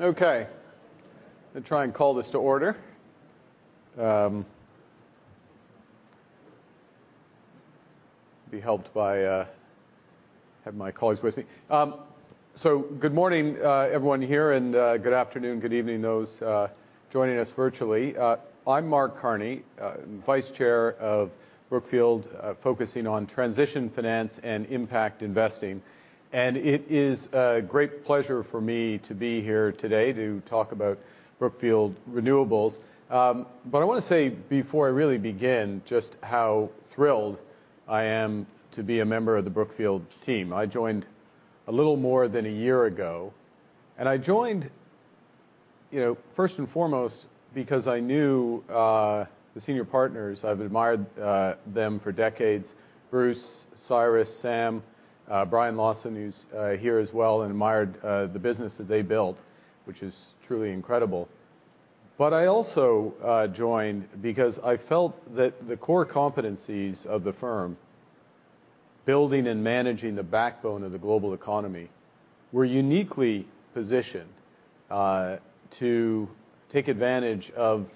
Okay. Going to try and call this to order. Be helped by have my colleagues with me. Good morning, everyone here, and good afternoon, good evening, those joining us virtually. I'm Mark Carney, Vice Chair of Brookfield focusing on transition finance and impact investing. It is a great pleasure for me to be here today to talk about Brookfield Renewable. I want to say before I really begin, just how thrilled I am to be a member of the Brookfield team. I joined a little more than one year ago, and I joined first and foremost because I knew the senior partners. I've admired them for decades, Bruce, Cyrus, Sam, Brian Lawson, who's here as well, and admired the business that they built, which is truly incredible. I also joined because I felt that the core competencies of the firm, building and managing the backbone of the global economy, were uniquely positioned to take advantage of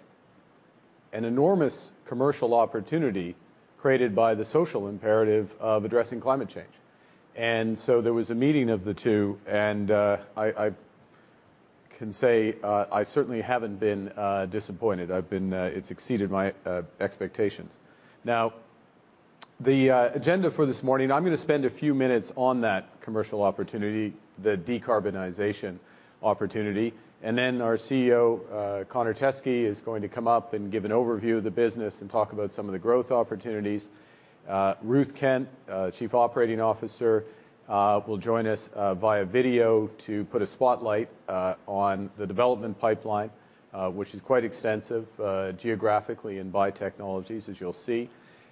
an enormous commercial opportunity created by the social imperative of addressing climate change. There was a meeting of the two, and I can say, I certainly haven't been disappointed. It's exceeded my expectations. Now, the agenda for this morning, I'm going to spend a few minutes on that commercial opportunity, the decarbonization opportunity, and then our CEO Connor Teskey is going to come up and give an overview of the business and talk about some of the growth opportunities. Ruth Kent, Chief Operating Officer, will join us via video to put a spotlight on the development pipeline, which is quite extensive geographically and by technologies, as you'll see.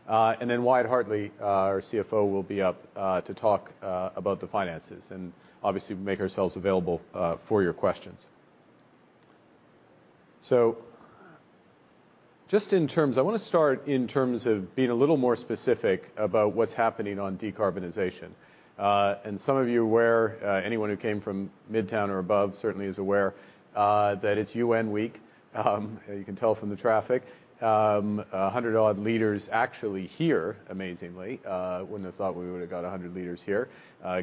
Then Wyatt Hartley, our CFO, will be up to talk about the finances. Obviously, we'll make ourselves available for your questions. I want to start in terms of being a little more specific about what's happening on decarbonization. Some of you are aware, anyone who came from midtown or above certainly is aware, that it's UN week. You can tell from the traffic. 100-odd leaders actually here, amazingly. Wouldn't have thought we would've got 100 leaders here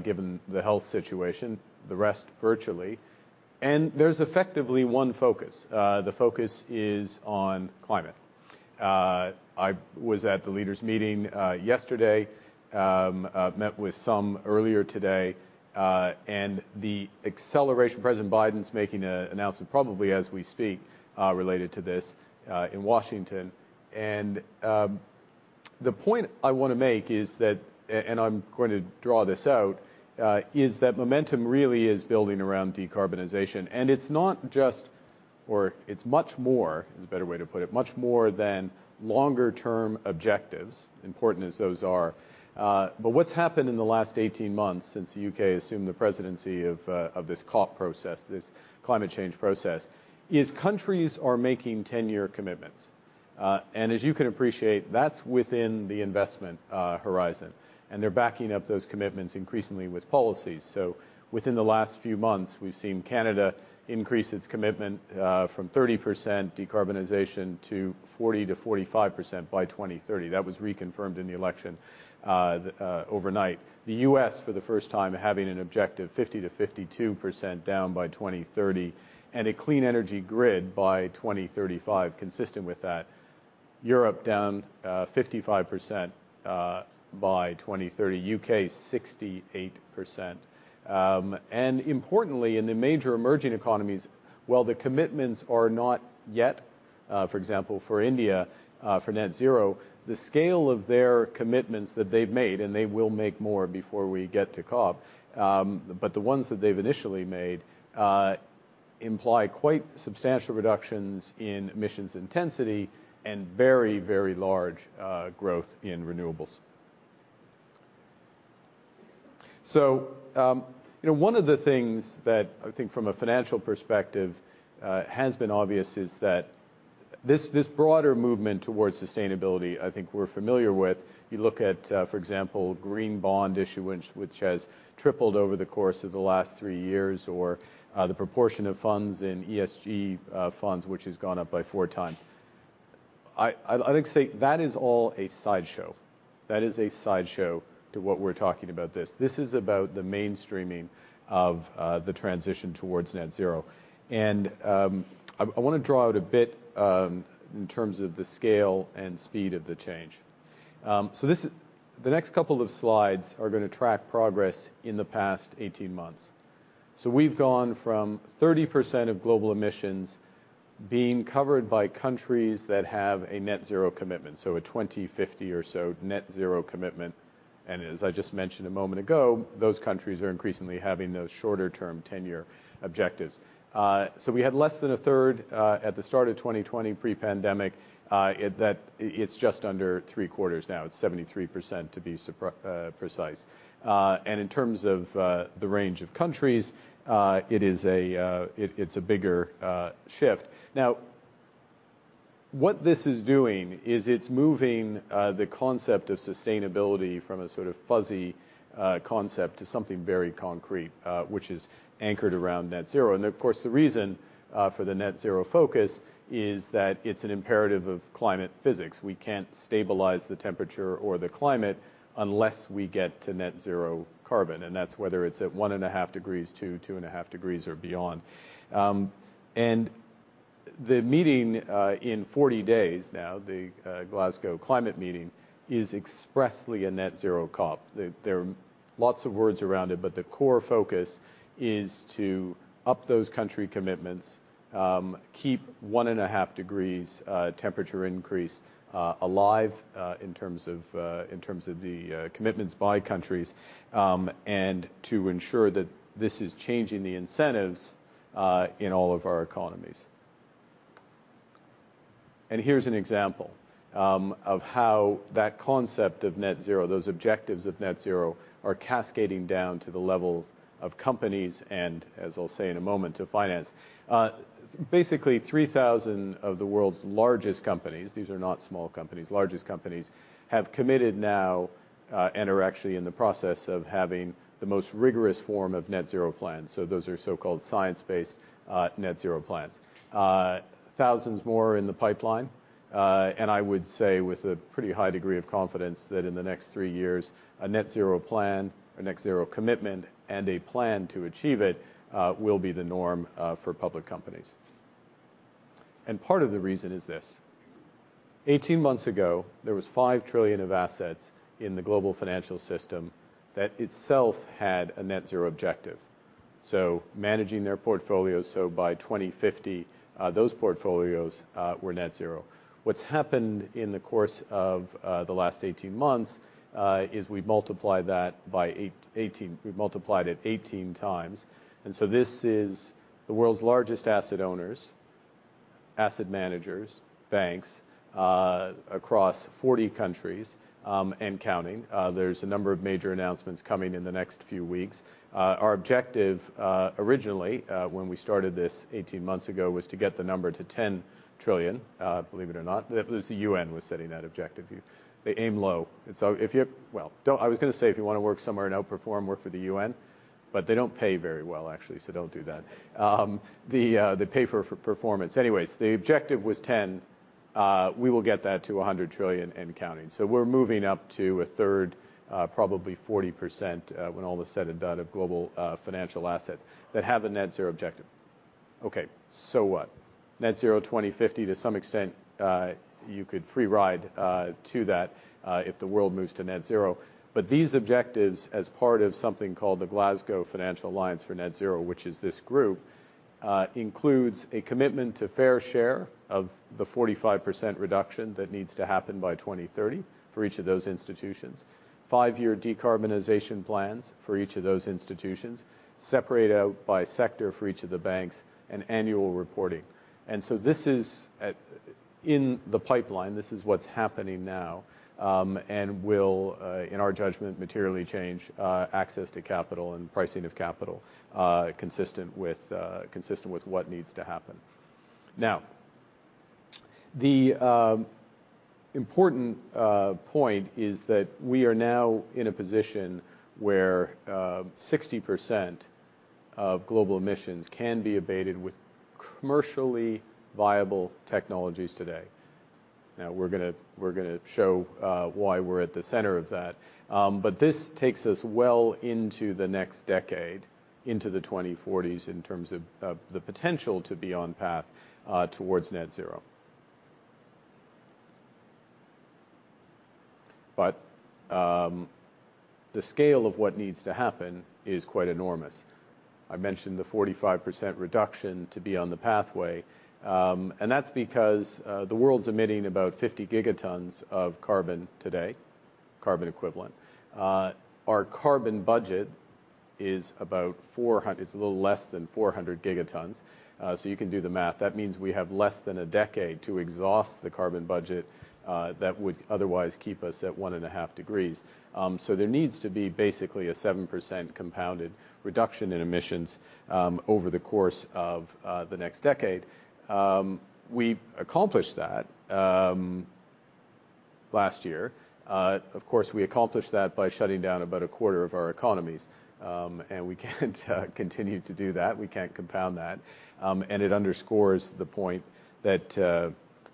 given the health situation, the rest virtually. There's effectively one focus. The focus is on climate. I was at the leaders' meeting yesterday, met with some earlier today, and the acceleration, President Biden's making an announcement probably as we speak related to this in Washington. The point I want to make is that, and I'm going to draw this out, is that momentum really is building around decarbonization. It's not just, or it's much more is a better way to put it, much more than longer term objectives, important as those are. What's happened in the last 18 months since the U.K. assumed the presidency of this COP process, this climate change process, is countries are making 10-year commitments. As you can appreciate, that's within the investment horizon, and they're backing up those commitments increasingly with policies. Within the last few months, we've seen Canada increase its commitment from 30% decarbonization to 40%-45% by 2030. That was reconfirmed in the election overnight. The U.S. for the first time having an objective 50%-52% down by 2030, and a clean energy grid by 2035 consistent with that. Europe down 55% by 2030, U.K. 68%. Importantly, in the major emerging economies, while the commitments are not yet, for example, for India, for net zero, the scale of their commitments that they've made, and they will make more before we get to COP, but the ones that they've initially made imply quite substantial reductions in emissions intensity and very large growth in renewables. One of the things that I think from a financial perspective has been obvious is that this broader movement towards sustainability, I think we're familiar with. You look at, for example, green bond issuance, which has tripled over the course of the last three years, or the proportion of funds in ESG funds, which has gone up by 4x. I'd like to say, that is all a sideshow. That is a sideshow to what we're talking about this. This is about the mainstreaming of the transition towards net zero. I want to draw out a bit in terms of the scale and speed of the change. The next couple of slides are going to track progress in the past 18 months. We've gone from 30% of global emissions being covered by countries that have a net zero commitment, so a 2050 or so net zero commitment. As I just mentioned a moment ago, those countries are increasingly having those shorter-term 10-year objectives. We had less than a third at the start of 2020 pre-pandemic. It's just under three-quarters now. It's 73% to be precise. In terms of the range of countries, it's a bigger shift. What this is doing is it's moving the concept of sustainability from a sort of fuzzy concept to something very concrete, which is anchored around net zero. The reason for the net zero focus is that it's an imperative of climate physics. We can't stabilize the temperature or the climate unless we get to net zero carbon, and that's whether it's at 1.5 degrees to 2.5 degrees or beyond. The meeting in 40 days now, the Glasgow climate meeting, is expressly a net zero COP. There are lots of words around it, but the core focus is to up those country commitments, keep 1.5 degrees temperature increase alive in terms of the commitments by countries, and to ensure that this is changing the incentives in all of our economies. Here's an example of how that concept of net zero, those objectives of net zero, are cascading down to the levels of companies and, as I'll say in a moment, to finance. Basically, 3,000 of the world's largest companies, these are not small companies, largest companies, have committed now and are actually in the process of having the most rigorous form of net zero plans. Those are so-called science-based net zero plans. Thousands more are in the pipeline. I would say with a pretty high degree of confidence that in the next three years, a net zero plan, a net zero commitment, and a plan to achieve it will be the norm for public companies. Part of the reason is this. 18 months ago, there was $5 trillion of assets in the global financial system that itself had a net zero objective. Managing their portfolios, so by 2050, those portfolios were net zero. What's happened in the course of the last 18 months is we multiplied it 18x, and so this is the world's largest asset owners, asset managers, banks, across 40 countries and counting. There's a number of major announcements coming in the next few weeks. Our objective, originally, when we started this 18 months ago, was to get the number to $10 trillion, believe it or not. It was the UN was setting that objective. They aim low. Well, I was going to say, if you want to work somewhere and outperform, work for the UN, but they don't pay very well, actually, so don't do that. They pay for performance. Anyways, the objective was 10. We will get that to $100 trillion and counting. We're moving up to a third, probably 40%, when all is said and done, of global financial assets that have a net zero objective. Okay. So what? net zero 2050, to some extent, you could free ride to that if the world moves to net zero. These objectives, as part of something called the Glasgow Financial Alliance for Net Zero, which is this group, includes a commitment to fair share of the 45% reduction that needs to happen by 2030 for each of those institutions, five-year decarbonization plans for each of those institutions, separated out by sector for each of the banks, and annual reporting. This is in the pipeline, this is what's happening now, and will, in our judgment, materially change access to capital and pricing of capital consistent with what needs to happen. Now, the important point is that we are now in a position where 60% of global emissions can be abated with commercially viable technologies today. We're going to show why we're at the center of that. This takes us well into the next decade, into the 2040s, in terms of the potential to be on path towards net zero. The scale of what needs to happen is quite enormous. I mentioned the 45% reduction to be on the pathway, and that's because the world's emitting about 50 gigatons of carbon today, carbon equivalent. Our carbon budget is a little less than 400 gigatons. You can do the math. That means we have less than a decade to exhaust the carbon budget that would otherwise keep us at 1.5 degrees. There needs to be basically a 7% compounded reduction in emissions over the course of the next decade. We accomplished that last year. Of course, we accomplished that by shutting down about a quarter of our economies, we can't continue to do that. We can't compound that. It underscores the point that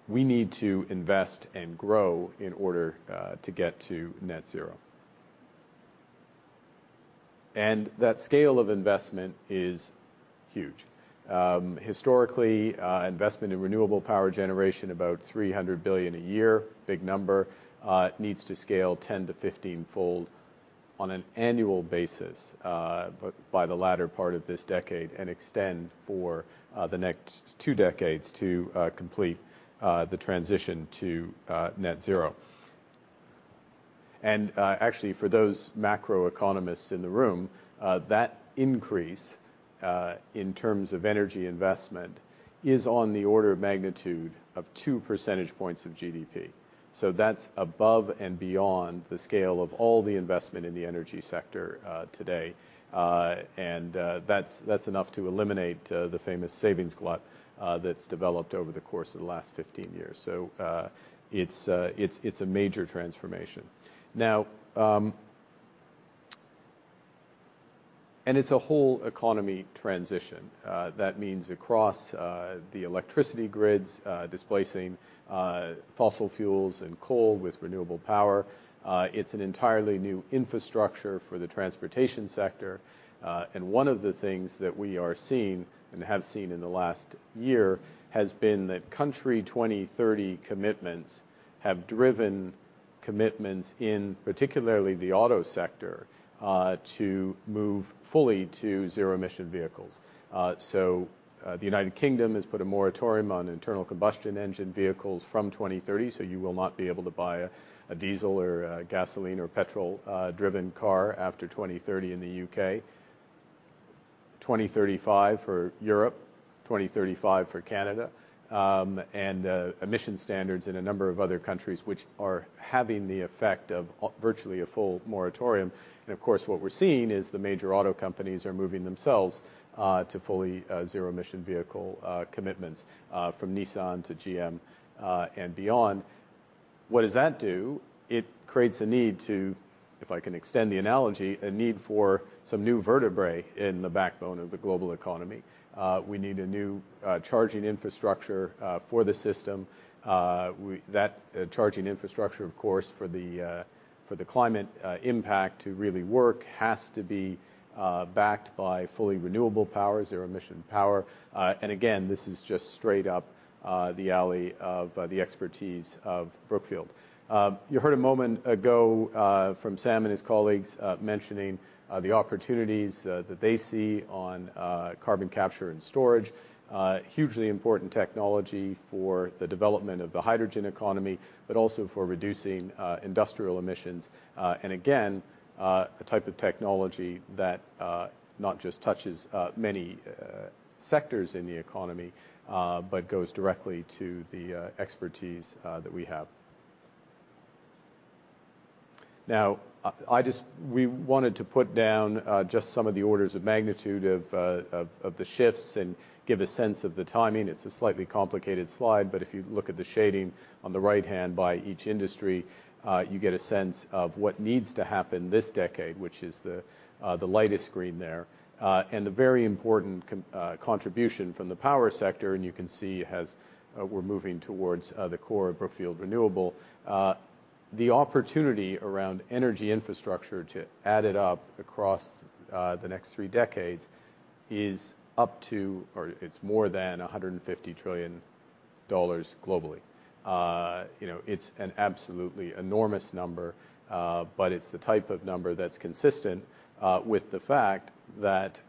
we need to invest and grow in order to get to net zero. That scale of investment is huge. Historically, investment in renewable power generation, about $300 billion a year, big number, needs to scale 10 to 15-fold on an annual basis by the latter part of this decade and extend for the next two decades to complete the transition to net zero. Actually, for those macroeconomists in the room, that increase in terms of energy investment is on the order of magnitude of 2 percentage points of GDP. That's above and beyond the scale of all the investment in the energy sector today. That's enough to eliminate the famous savings glut that's developed over the course of the last 15 years. It's a major transformation. It's a whole economy transition. That means across the electricity grids, displacing fossil fuels and coal with renewable power. It's an entirely new infrastructure for the transportation sector. One of the things that we are seeing, and have seen in the last year, has been that country 2030 commitments have driven commitments in particularly the auto sector, to move fully to zero emission vehicles. The United Kingdom has put a moratorium on internal combustion engine vehicles from 2030, so you will not be able to buy a diesel or a gasoline or petrol-driven car after 2030 in the U.K. 2035 for Europe, 2035 for Canada, and emission standards in a number of other countries, which are having the effect of virtually a full moratorium. Of course, what we're seeing is the major auto companies are moving themselves to fully zero emission vehicle commitments from Nissan to GM, and beyond. What does that do? It creates, if I can extend the analogy, a need for some new vertebrae in the backbone of the global economy. We need a new charging infrastructure for the system. That charging infrastructure, of course, for the climate impact to really work, has to be backed by fully renewable power, zero emission power. Again, this is just straight up the alley of the expertise of Brookfield. You heard a moment ago, from Sam and his colleagues, mentioning the opportunities that they see on Carbon Capture and Storage. Hugely important technology for the development of the hydrogen economy, but also for reducing industrial emissions. Again, the type of technology that not just touches many sectors in the economy, but goes directly to the expertise that we have. Now, we wanted to put down just some of the orders of magnitude of the shifts and give a sense of the timing. It's a slightly complicated slide, but if you look at the shading on the right-hand by each industry, you get a sense of what needs to happen this decade, which is the lightest green there, and the very important contribution from the power sector. You can see we're moving towards the core of Brookfield Renewable. The opportunity around energy infrastructure, to add it up across the next three decades, it's more than $150 trillion globally. It's an absolutely enormous number, but it's the type of number that's consistent with the fact that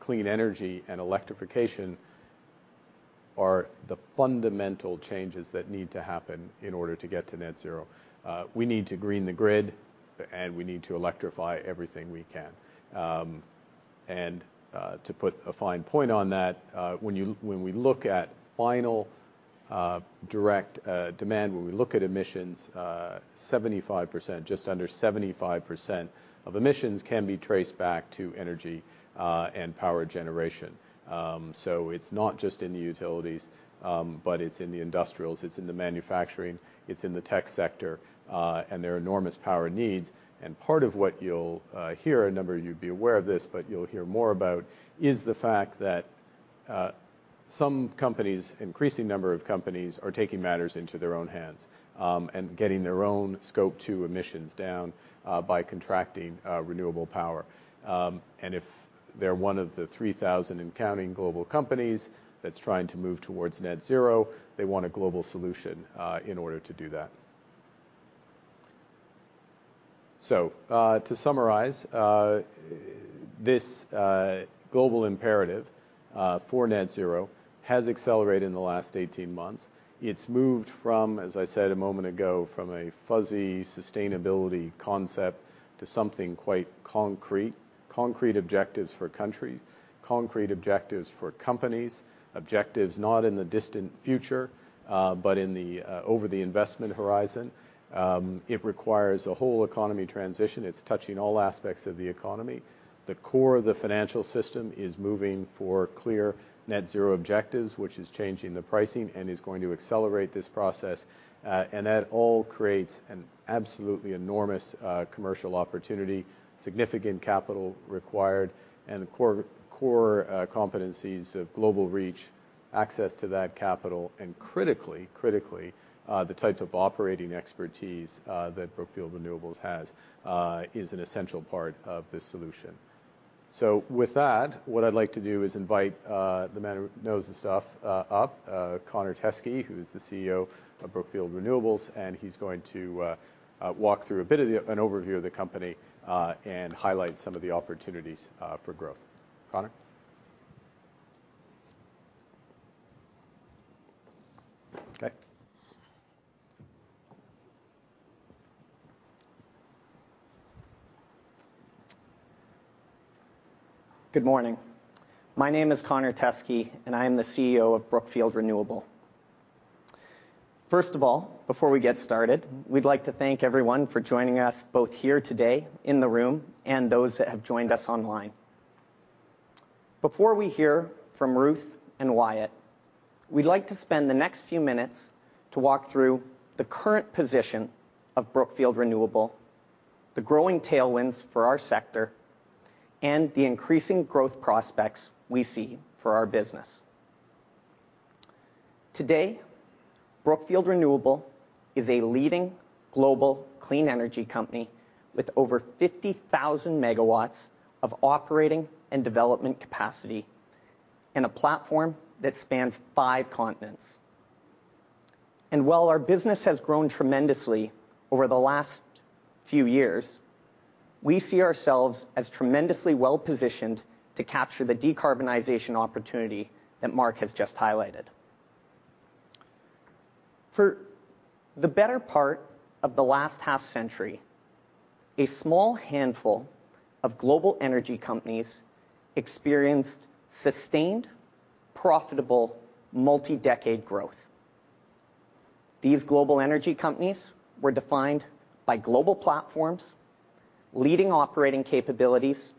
clean energy and electrification are the fundamental changes that need to happen in order to get to net zero. We need to green the grid, and we need to electrify everything we can. To put a fine point on that, when we look at final direct demand, when we look at emissions, just under 75% of emissions can be traced back to energy and power generation. It's not just in the utilities, but it's in the industrials, it's in the manufacturing, it's in the tech sector, and their enormous power needs. Part of what you'll hear a number-- You'd be aware of this, but you'll hear more about, is the fact that increasing number of companies are taking matters into their own hands, and getting their own Scope 2 emissions down by contracting renewable power. If they're one of the 3,000 and counting global companies that's trying to move towards net zero, they want a global solution in order to do that. To summarize, this global imperative for net zero has accelerated in the last 18 months. It's moved, as I said a moment ago, from a fuzzy sustainability concept to something quite concrete. Concrete objectives for countries, concrete objectives for companies, objectives not in the distant future, but over the investment horizon. It requires a whole economy transition. It's touching all aspects of the economy. The core of the financial system is moving for clear net zero objectives, which is changing the pricing and is going to accelerate this process. That all creates an absolutely enormous commercial opportunity, significant capital required, and the core competencies of global reach, access to that capital, and critically, the type of operating expertise that Brookfield Renewable has is an essential part of this solution. With that, what I'd like to do is invite the man who knows this stuff up, Connor Teskey, who's the CEO of Brookfield Renewable, and he's going to walk through a bit of an overview of the company, and highlight some of the opportunities for growth. Connor? Okay. Good morning. My name is Connor Teskey, I am the CEO of Brookfield Renewable. First of all, before we get started, we'd like to thank everyone for joining us both here today in the room and those that have joined us online. Before we hear from Ruth and Wyatt, we'd like to spend the next few minutes to walk through the current position of Brookfield Renewable, the growing tailwinds for our sector, and the increasing growth prospects we see for our business. Today, Brookfield Renewable is a leading global clean energy company with over 50,000 megawatts of operating and development capacity in a platform that spans five continents. While our business has grown tremendously over the last few years, we see ourselves as tremendously well-positioned to capture the decarbonization opportunity that Mark has just highlighted. For the better part of the last half-century, a small handful of global energy companies experienced sustained, profitable, multi-decade growth. These global energy companies were defined by global platforms, leading operating capabilities,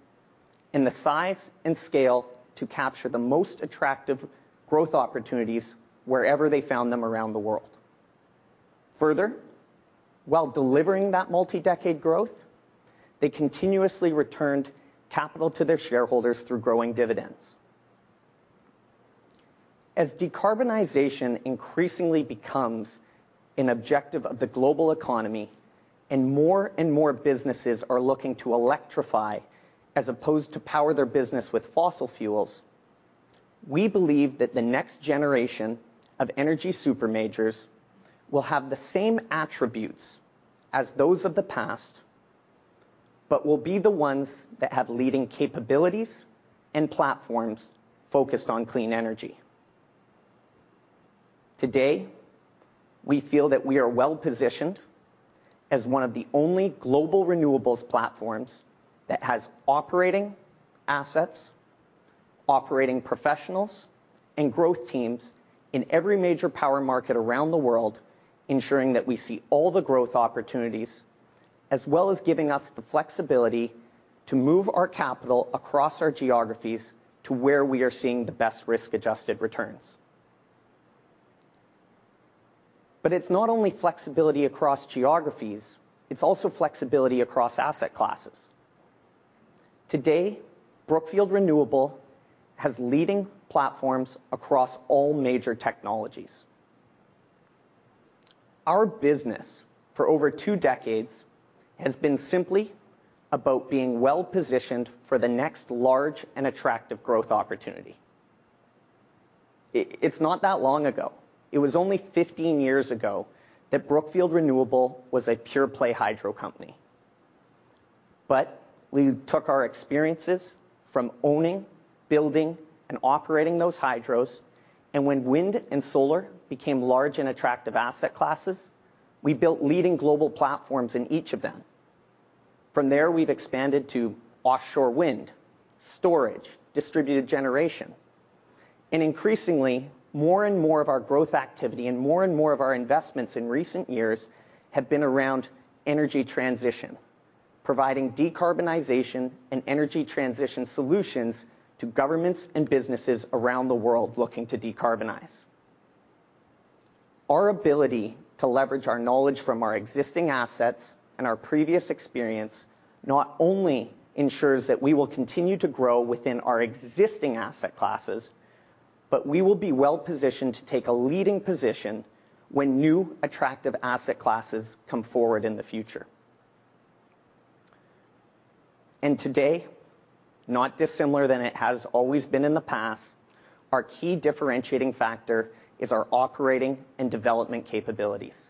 and the size and scale to capture the most attractive growth opportunities wherever they found them around the world. Further, while delivering that multi-decade growth, they continuously returned capital to their shareholders through growing dividends. As decarbonization increasingly becomes an objective of the global economy and more and more businesses are looking to electrify as opposed to power their business with fossil fuels, we believe that the next generation of energy super majors will have the same attributes as those of the past, but will be the ones that have leading capabilities and platforms focused on clean energy. Today, we feel that we are well-positioned as one of the only global renewables platforms that has operating assets, operating professionals, and growth teams in every major power market around the world, ensuring that we see all the growth opportunities, as well as giving us the flexibility to move our capital across our geographies to where we are seeing the best risk-adjusted returns. It's not only flexibility across geographies, it's also flexibility across asset classes. Today, Brookfield Renewable has leading platforms across all major technologies. Our business, for over two decades, has been simply about being well-positioned for the next large and attractive growth opportunity. It's not that long ago, it was only 15 years ago, that Brookfield Renewable was a pure-play hydro company. We took our experiences from owning, building, and operating those hydros, and when wind and solar became large and attractive asset classes, we built leading global platforms in each of them. From there, we've expanded to offshore wind, storage, distributed generation, and increasingly, more and more of our growth activity and more and more of our investments in recent years have been around energy transition, providing decarbonization and energy transition solutions to governments and businesses around the world looking to decarbonize. Our ability to leverage our knowledge from our existing assets and our previous experience not only ensures that we will continue to grow within our existing asset classes, but we will be well-positioned to take a leading position when new attractive asset classes come forward in the future. Today, not dissimilar than it has always been in the past, our key differentiating factor is our operating and development capabilities.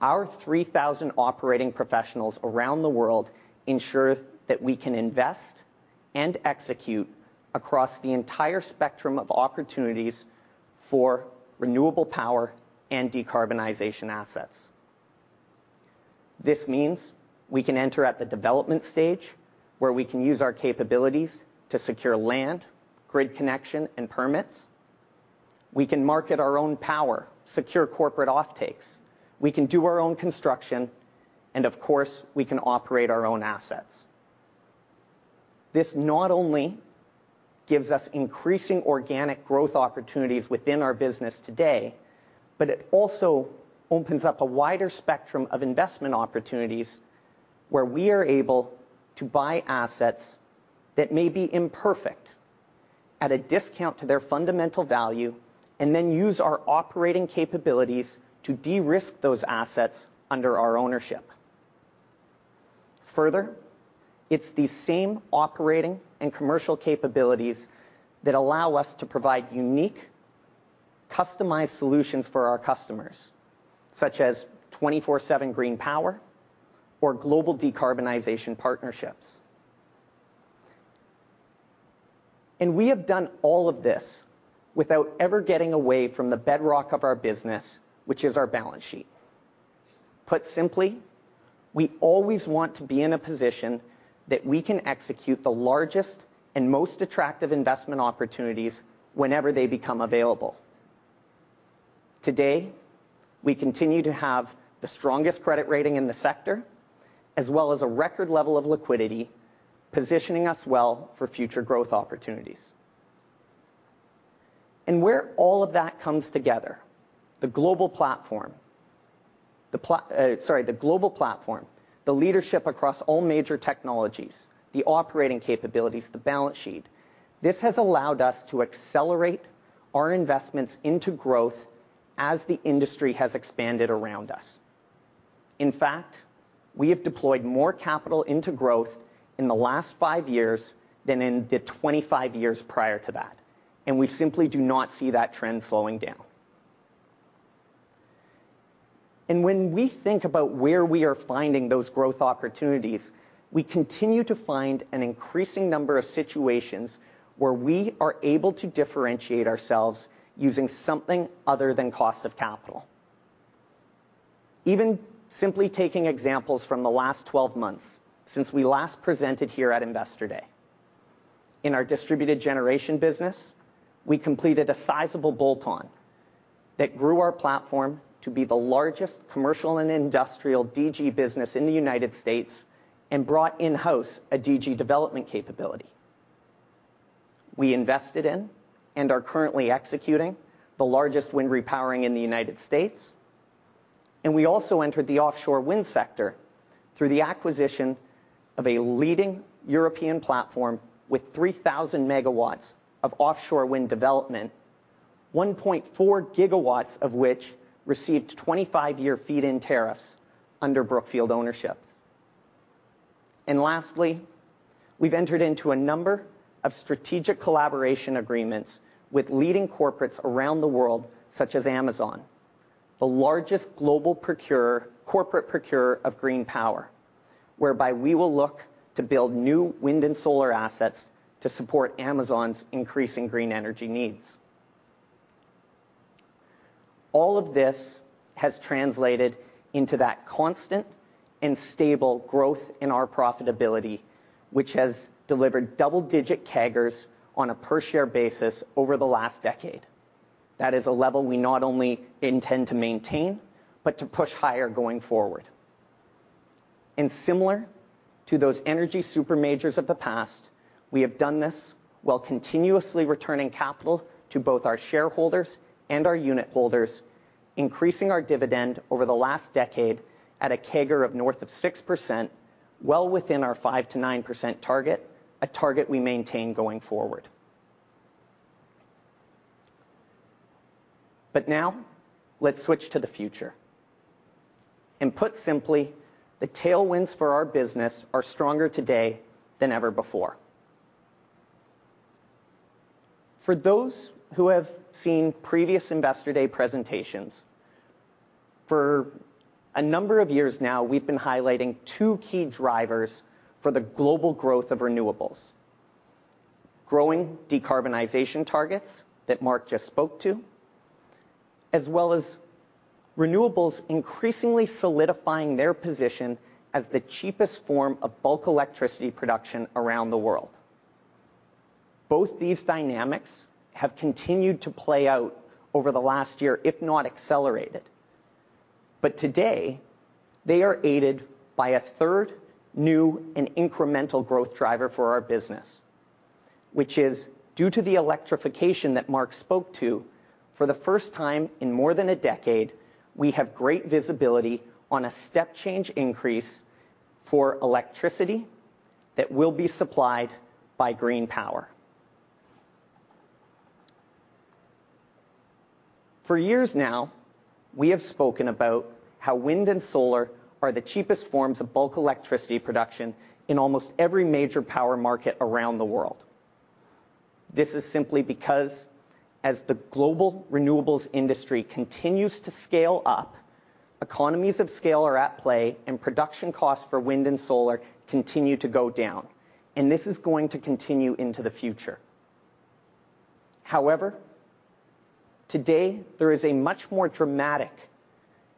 Our 3,000 operating professionals around the world ensure that we can invest and execute across the entire spectrum of opportunities for renewable power and decarbonization assets. This means we can enter at the development stage, where we can use our capabilities to secure land, grid connection, and permits. We can market our own power, secure corporate offtakes. We can do our own construction, and of course, we can operate our own assets. This not only gives us increasing organic growth opportunities within our business today, but it also opens up a wider spectrum of investment opportunities where we are able to buy assets that may be imperfect at a discount to their fundamental value, and then use our operating capabilities to de-risk those assets under our ownership. Further, it is the same operating and commercial capabilities that allow us to provide unique, customized solutions for our customers, such as 24/7 green power or global decarbonization partnerships. We have done all of this without ever getting away from the bedrock of our business, which is our balance sheet. Put simply, we always want to be in a position that we can execute the largest and most attractive investment opportunities whenever they become available. Today, we continue to have the strongest credit rating in the sector, as well as a record level of liquidity, positioning us well for future growth opportunities. Where all of that comes together, the global platform, the leadership across all major technologies, the operating capabilities, the balance sheet, this has allowed us to accelerate our investments into growth as the industry has expanded around us. In fact, we have deployed more capital into growth in the last five years than in the 25 years prior to that. We simply do not see that trend slowing down. When we think about where we are finding those growth opportunities, we continue to find an increasing number of situations where we are able to differentiate ourselves using something other than cost of capital. Even simply taking examples from the last 12 months since we last presented here at Investor Day. In our distributed generation business, we completed a sizable bolt-on that grew our platform to be the largest commercial and industrial DG business in the U.S. and brought in-house a DG development capability. We invested in and are currently executing the largest wind repowering in the U.S. We also entered the offshore wind sector through the acquisition of a leading European platform with 3,000 megawatts of offshore wind development, 1.4 gigawatts of which received 25-year feed-in tariffs under Brookfield ownership. Lastly, we've entered into a number of strategic collaboration agreements with leading corporates around the world, such as Amazon, the largest global corporate procurer of green power, whereby we will look to build new wind and solar assets to support Amazon's increasing green energy needs. All of this has translated into that constant and stable growth in our profitability, which has delivered double-digit CAGRs on a per-share basis over the last decade. That is a level we not only intend to maintain, but to push higher going forward. Similar to those energy super majors of the past, we have done this while continuously returning capital to both our shareholders and our unit holders, increasing our dividend over the last decade at a CAGR of north of 6%, well within our 5%-9% target, a target we maintain going forward. Now let's switch to the future. Put simply, the tailwinds for our business are stronger today than ever before. For those who have seen previous Investor Day presentations, for a number of years now, we've been highlighting two key drivers for the global growth of renewables: growing decarbonization targets that Mark just spoke to, as well as renewables increasingly solidifying their position as the cheapest form of bulk electricity production around the world. Both these dynamics have continued to play out over the last year, if not accelerated. Today, they are aided by a third new and incremental growth driver for our business. Which is due to the electrification that Mark spoke to, for the first time in more than a decade, we have great visibility on a step change increase for electricity that will be supplied by green power. For years now, we have spoken about how wind and solar are the cheapest forms of bulk electricity production in almost every major power market around the world. This is simply because as the global renewables industry continues to scale up, economies of scale are at play and production costs for wind and solar continue to go down, and this is going to continue into the future. Today, there is a much more dramatic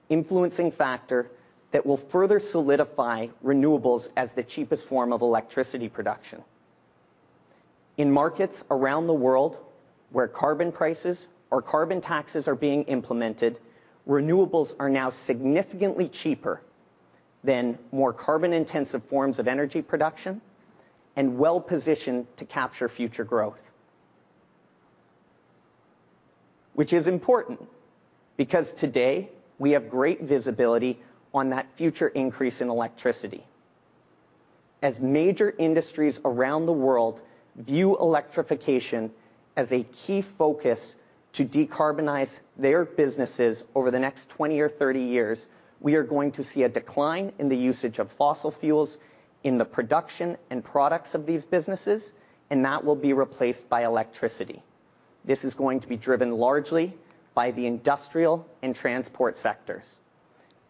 influencing factor that will further solidify renewables as the cheapest form of electricity production. In markets around the world where carbon prices or carbon taxes are being implemented, renewables are now significantly cheaper than more carbon-intensive forms of energy production and well-positioned to capture future growth. Which is important, because today we have great visibility on that future increase in electricity. As major industries around the world view electrification as a key focus to decarbonize their businesses over the next 20 or 30 years, we are going to see a decline in the usage of fossil fuels in the production and products of these businesses, and that will be replaced by electricity. This is going to be driven largely by the industrial and transport sectors.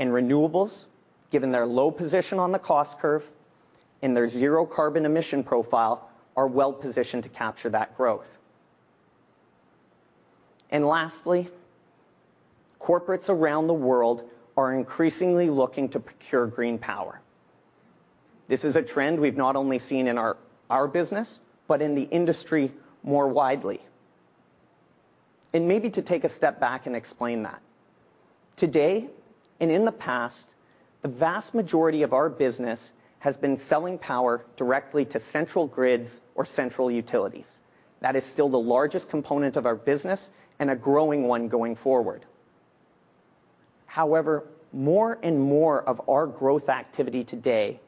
Renewables, given their low position on the cost curve and their zero carbon emission profile, are well-positioned to capture that growth. Lastly, corporates around the world are increasingly looking to procure green power. This is a trend we've not only seen in our business, but in the industry more widely. Maybe to take a step back and explain that. Today, and in the past, the vast majority of our business has been selling power directly to central grids or central utilities. That is still the largest component of our business, and a growing one going forward. However, more and more of our growth activity today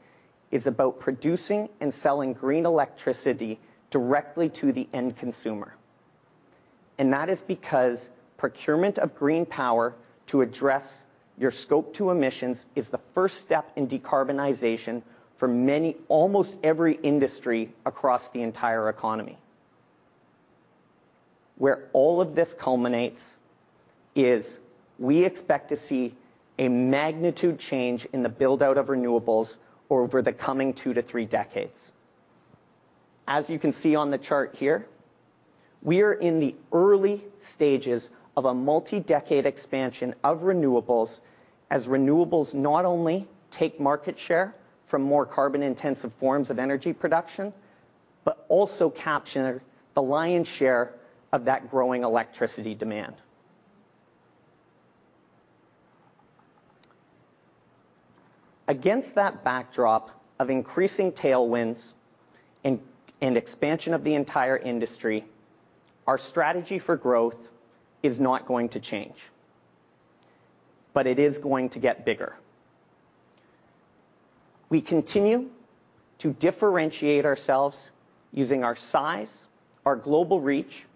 is about producing and selling green electricity directly to the end consumer. That is because procurement of green power to address your Scope 2 emissions is the first step in decarbonization for almost every industry across the entire economy. Where all of this culminates is we expect to see a magnitude change in the build-out of renewables over the coming two to three decades. As you can see on the chart here, we are in the early stages of a multi-decade expansion of renewables, as renewables not only take market share from more carbon-intensive forms of energy production, but also capture the lion's share of that growing electricity demand. Against that backdrop of increasing tailwinds and expansion of the entire industry, our strategy for growth is not going to change, but it is going to get bigger. We continue to differentiate ourselves using our size, our global reach,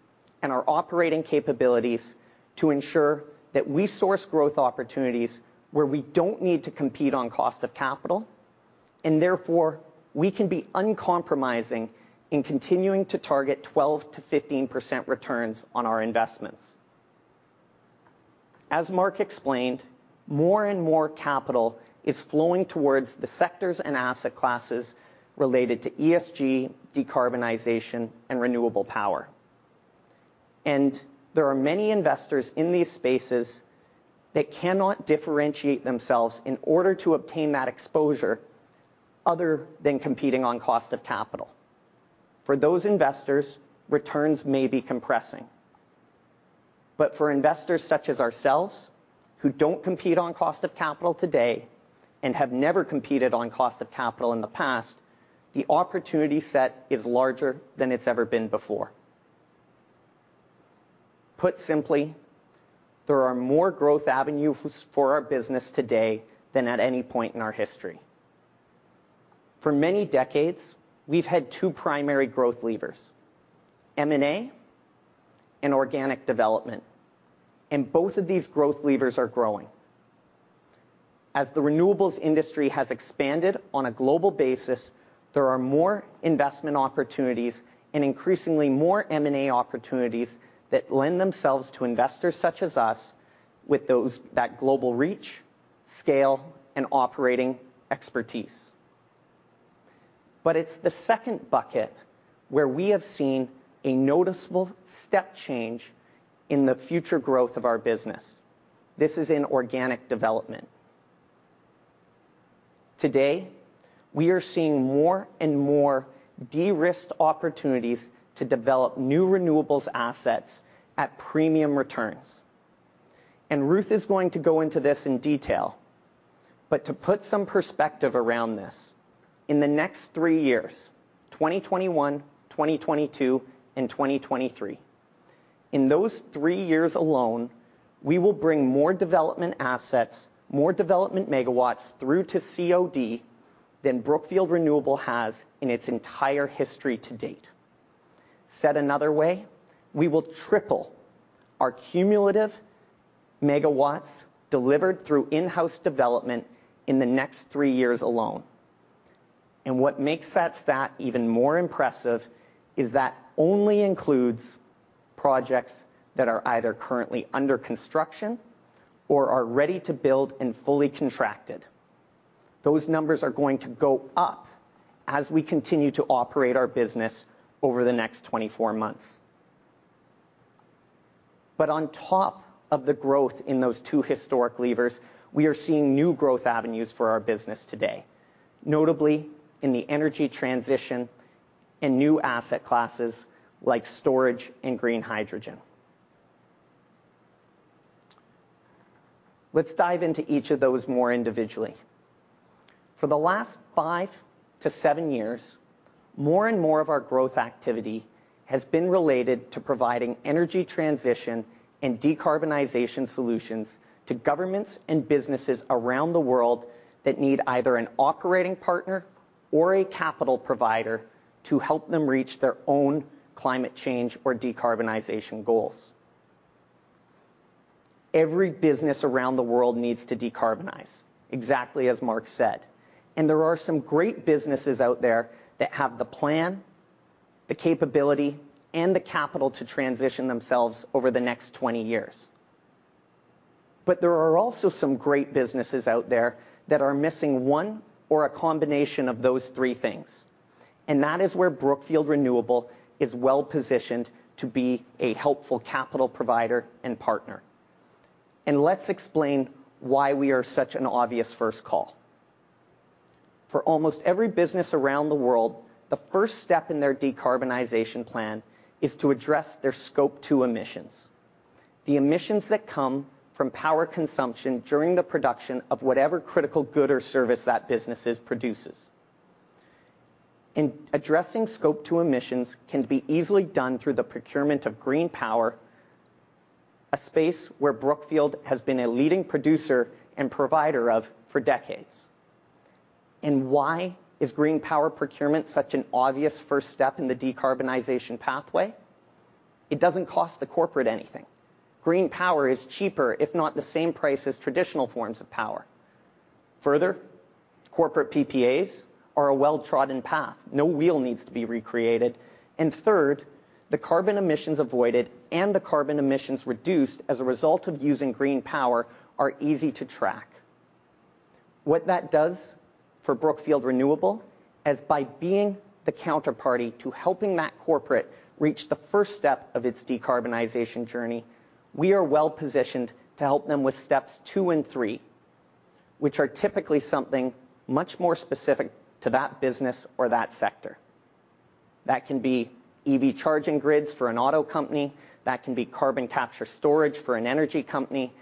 and our operating capabilities to ensure that we source growth opportunities where we don't need to compete on cost of capital, and therefore we can be uncompromising in continuing to target 12%-15% returns on our investments. As Mark explained, more and more capital is flowing towards the sectors and asset classes related to ESG, decarbonization, and renewable power. There are many investors in these spaces that cannot differentiate themselves in order to obtain that exposure, other than competing on cost of capital. For those investors, returns may be compressing. For investors such as ourselves, who don't compete on cost of capital today and have never competed on cost of capital in the past, the opportunity set is larger than it's ever been before. Put simply, there are more growth avenues for our business today than at any point in our history. For many decades, we've had two primary growth levers, M&A and organic development. Both of these growth levers are growing. As the renewables industry has expanded on a global basis, there are more investment opportunities and increasingly more M&A opportunities that lend themselves to investors such as us with that global reach, scale, and operating expertise. It's the second bucket where we have seen a noticeable step change in the future growth of our business. This is in organic development. Today, we are seeing more and more de-risked opportunities to develop new renewables assets at premium returns. Ruth is going to go into this in detail. To put some perspective around this, in the next three years, 2021, 2022, and 2023, in those three years alone, we will bring more development assets, more development megawatts through to COD than Brookfield Renewable has in its entire history to date. Said another way, we will triple our cumulative megawatts delivered through in-house development in the next three years alone. What makes that stat even more impressive is that only includes projects that are either currently under construction or are ready to build and fully contracted. Those numbers are going to go up as we continue to operate our business over the next 24 months. On top of the growth in those two historic levers, we are seeing new growth avenues for our business today, notably in the energy transition and new asset classes like storage and green hydrogen. Let's dive into each of those more individually. For the last five to seven years, more and more of our growth activity has been related to providing energy transition and decarbonization solutions to governments and businesses around the world that need either an operating partner or a capital provider to help them reach their own climate change or decarbonization goals. Every business around the world needs to decarbonize, exactly as Mark said, and there are some great businesses out there that have the plan, the capability and the capital to transition themselves over the next 20 years. There are also some great businesses out there that are missing one or a combination of those three things, and that is where Brookfield Renewable is well-positioned to be a helpful capital provider and partner. Let's explain why we are such an obvious first call. For almost every business around the world, the first step in their decarbonization plan is to address their Scope 2 emissions, the emissions that come from power consumption during the production of whatever critical good or service that business produces. Addressing Scope 2 emissions can be easily done through the procurement of green power, a space where Brookfield has been a leading producer and provider of for decades. Why is green power procurement such an obvious first step in the decarbonization pathway? It doesn't cost the corporate anything. Green power is cheaper, if not the same price as traditional forms of power. Further, corporate PPAs are a well-trodden path. No wheel needs to be recreated. Third, the carbon emissions avoided and the carbon emissions reduced as a result of using green power are easy to track. What that does for Brookfield Renewable is by being the counterparty to helping that corporate reach the first step of its decarbonization journey, we are well-positioned to help them with steps two and three, which are typically something much more specific to that business or that sector. That can be EV charging grids for an auto company. That can be carbon capture storage for an energy company.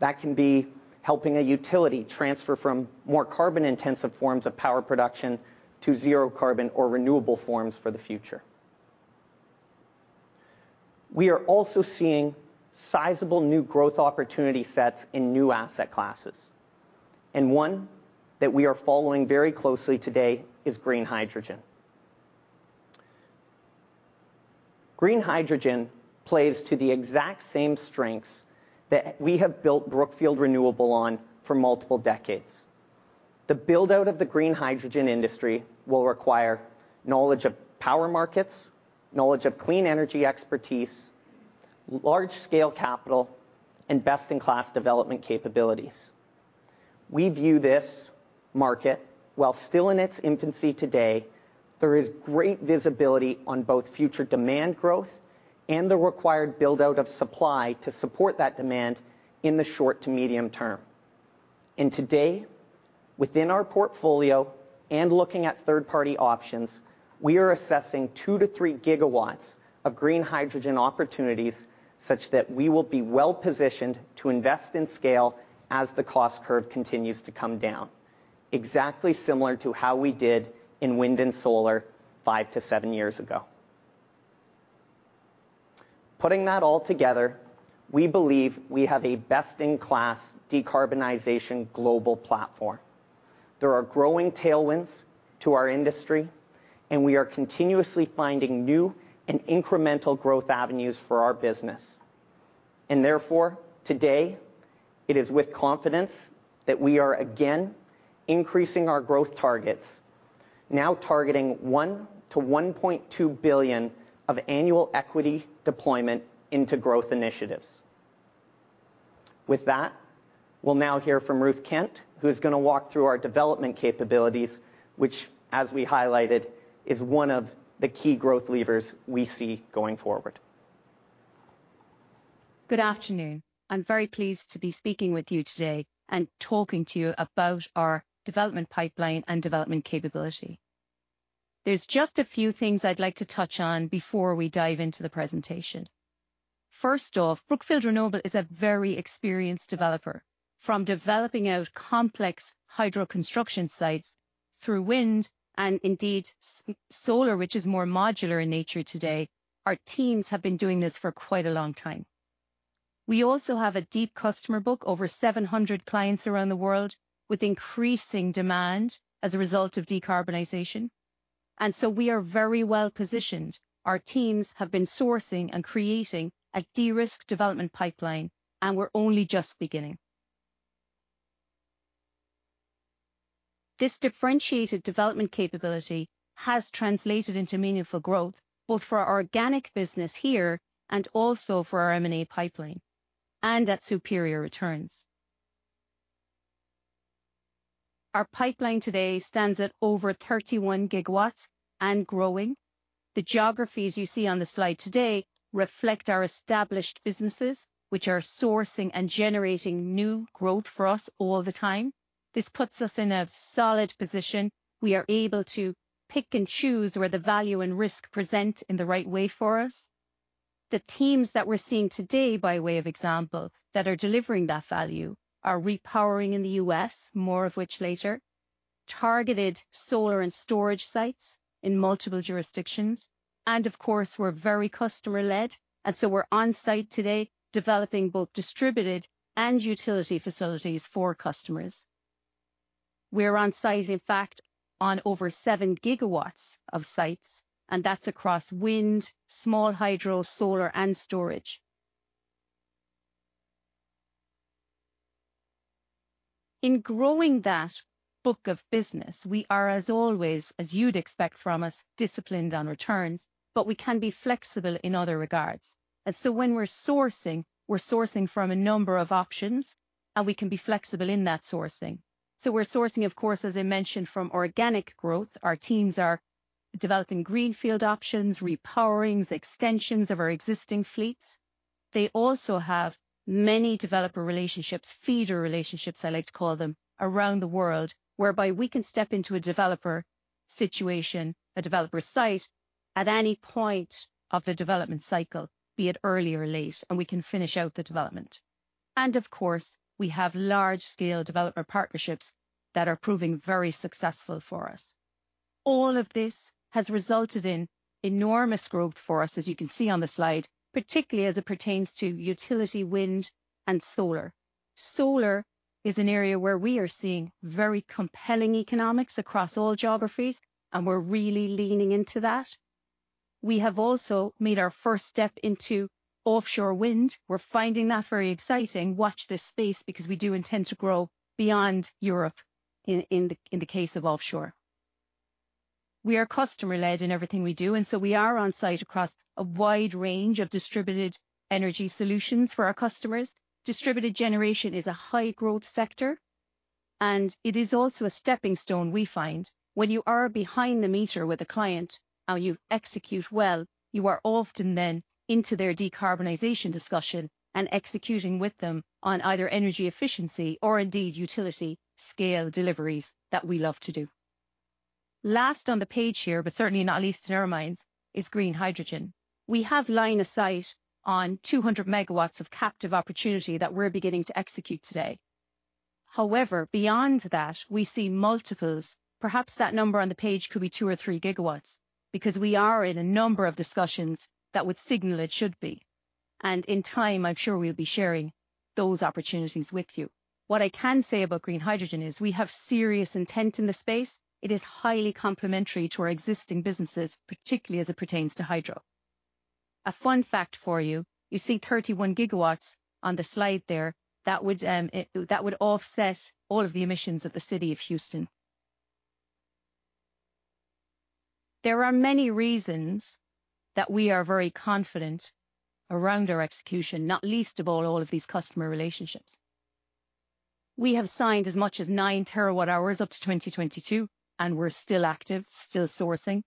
That can be helping a utility transfer from more carbon-intensive forms of power production to zero carbon or renewable forms for the future. We are also seeing sizable new growth opportunity sets in new asset classes. One that we are following very closely today is green hydrogen. Green hydrogen plays to the exact same strengths that we have built Brookfield Renewable on for multiple decades. The build-out of the green hydrogen industry will require knowledge of power markets, knowledge of clean energy expertise, large-scale capital, and best-in-class development capabilities. We view this market, while still in its infancy today, there is great visibility on both future demand growth and the required build-out of supply to support that demand in the short to medium term. Today, within our portfolio and looking at third-party options, we are assessing 2-3 gigawatts of green hydrogen opportunities, such that we will be well-positioned to invest in scale as the cost curve continues to come down. Exactly similar to how we did in wind and solar five to seven years ago. Putting that all together, we believe we have a best-in-class decarbonization global platform. There are growing tailwinds to our industry. We are continuously finding new and incremental growth avenues for our business. Therefore, today, it is with confidence that we are again increasing our growth targets, now targeting $1 billion-$1.2 billion of annual equity deployment into growth initiatives. With that, we'll now hear from Ruth Kent, who's going to walk through our development capabilities, which, as we highlighted, is one of the key growth levers we see going forward. Good afternoon. I'm very pleased to be speaking with you today and talking to you about our development pipeline and development capability. There's just a few things I'd like to touch on before we dive into the presentation. First off, Brookfield Renewable is a very experienced developer. From developing out complex hydro construction sites, through wind and indeed solar, which is more modular in nature today, our teams have been doing this for quite a long time. We also have a deep customer book, over 700 clients around the world, with increasing demand as a result of decarbonization. We are very well-positioned. Our teams have been sourcing and creating a de-risk development pipeline, and we're only just beginning. This differentiated development capability has translated into meaningful growth, both for our organic business here and also for our M&A pipeline, and at superior returns. Our pipeline today stands at over 31 gigawatts and growing. The geographies you see on the slide today reflect our established businesses, which are sourcing and generating new growth for us all the time. This puts us in a solid position. We are able to pick and choose where the value and risk present in the right way for us. The themes that we're seeing today, by way of example, that are delivering that value are repowering in the U.S., more of which later. Targeted solar and storage sites in multiple jurisdictions. Of course, we're very customer led, and so we're on-site today developing both distributed and utility facilities for customers. We're on site, in fact, on over 7 gigawatts of sites, and that's across wind, small hydro, solar, and storage. In growing that book of business, we are as always, as you'd expect from us, disciplined on returns, but we can be flexible in other regards. When we're sourcing, we're sourcing from a number of options, and we can be flexible in that sourcing. We're sourcing, of course, as I mentioned, from organic growth. Our teams are developing greenfield options, repowerings, extensions of our existing fleets. They also have many developer relationships, feeder relationships I like to call them, around the world, whereby we can step into a developer situation, a developer site, at any point of the development cycle, be it early or late, and we can finish out the development. Of course, we have large-scale development partnerships that are proving very successful for us. All of this has resulted in enormous growth for us, as you can see on the slide, particularly as it pertains to utility wind and solar. Solar is an area where we are seeing very compelling economics across all geographies, and we're really leaning into that. We have also made our first step into offshore wind. We're finding that very exciting. Watch this space, because we do intend to grow beyond Europe in the case of offshore. We are customer-led in everything we do, and so we are on site across a wide range of distributed energy solutions for our customers. Distributed generation is a high-growth sector, and it is also a stepping stone, we find. When you are behind the meter with a client, and you execute well, you are often then into their decarbonization discussion and executing with them on either energy efficiency or indeed utility scale deliveries that we love to do. Last on the page here, but certainly not least in our minds, is green hydrogen. We have line of sight on 200 MW of captive opportunity that we're beginning to execute today. However, beyond that, we see multiples. Perhaps that number on the page could be 2 or 3 GW, because we are in a number of discussions that would signal it should be. In time, I'm sure we'll be sharing those opportunities with you. What I can say about green hydrogen is we have serious intent in the space. It is highly complementary to our existing businesses, particularly as it pertains to hydro. A fun fact for you see 31 gigawatts on the slide there. That would offset all of the emissions of the city of Houston. There are many reasons that we are very confident around our execution, not least of all of these customer relationships. We have signed as much as 9 terawatt-hours up to 2022. We're still active, still sourcing.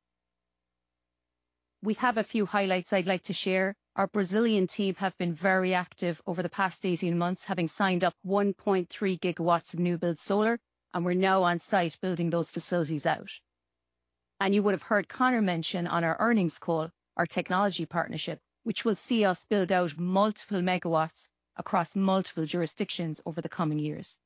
We have a few highlights I'd like to share. Our Brazilian team have been very active over the past 18 months, having signed up 1.3 gigawatts of new build solar. We're now on site building those facilities out. You would have heard Connor mention on our earnings call our technology partnership, which will see us build out multiple megawatts across multiple jurisdictions over the coming years.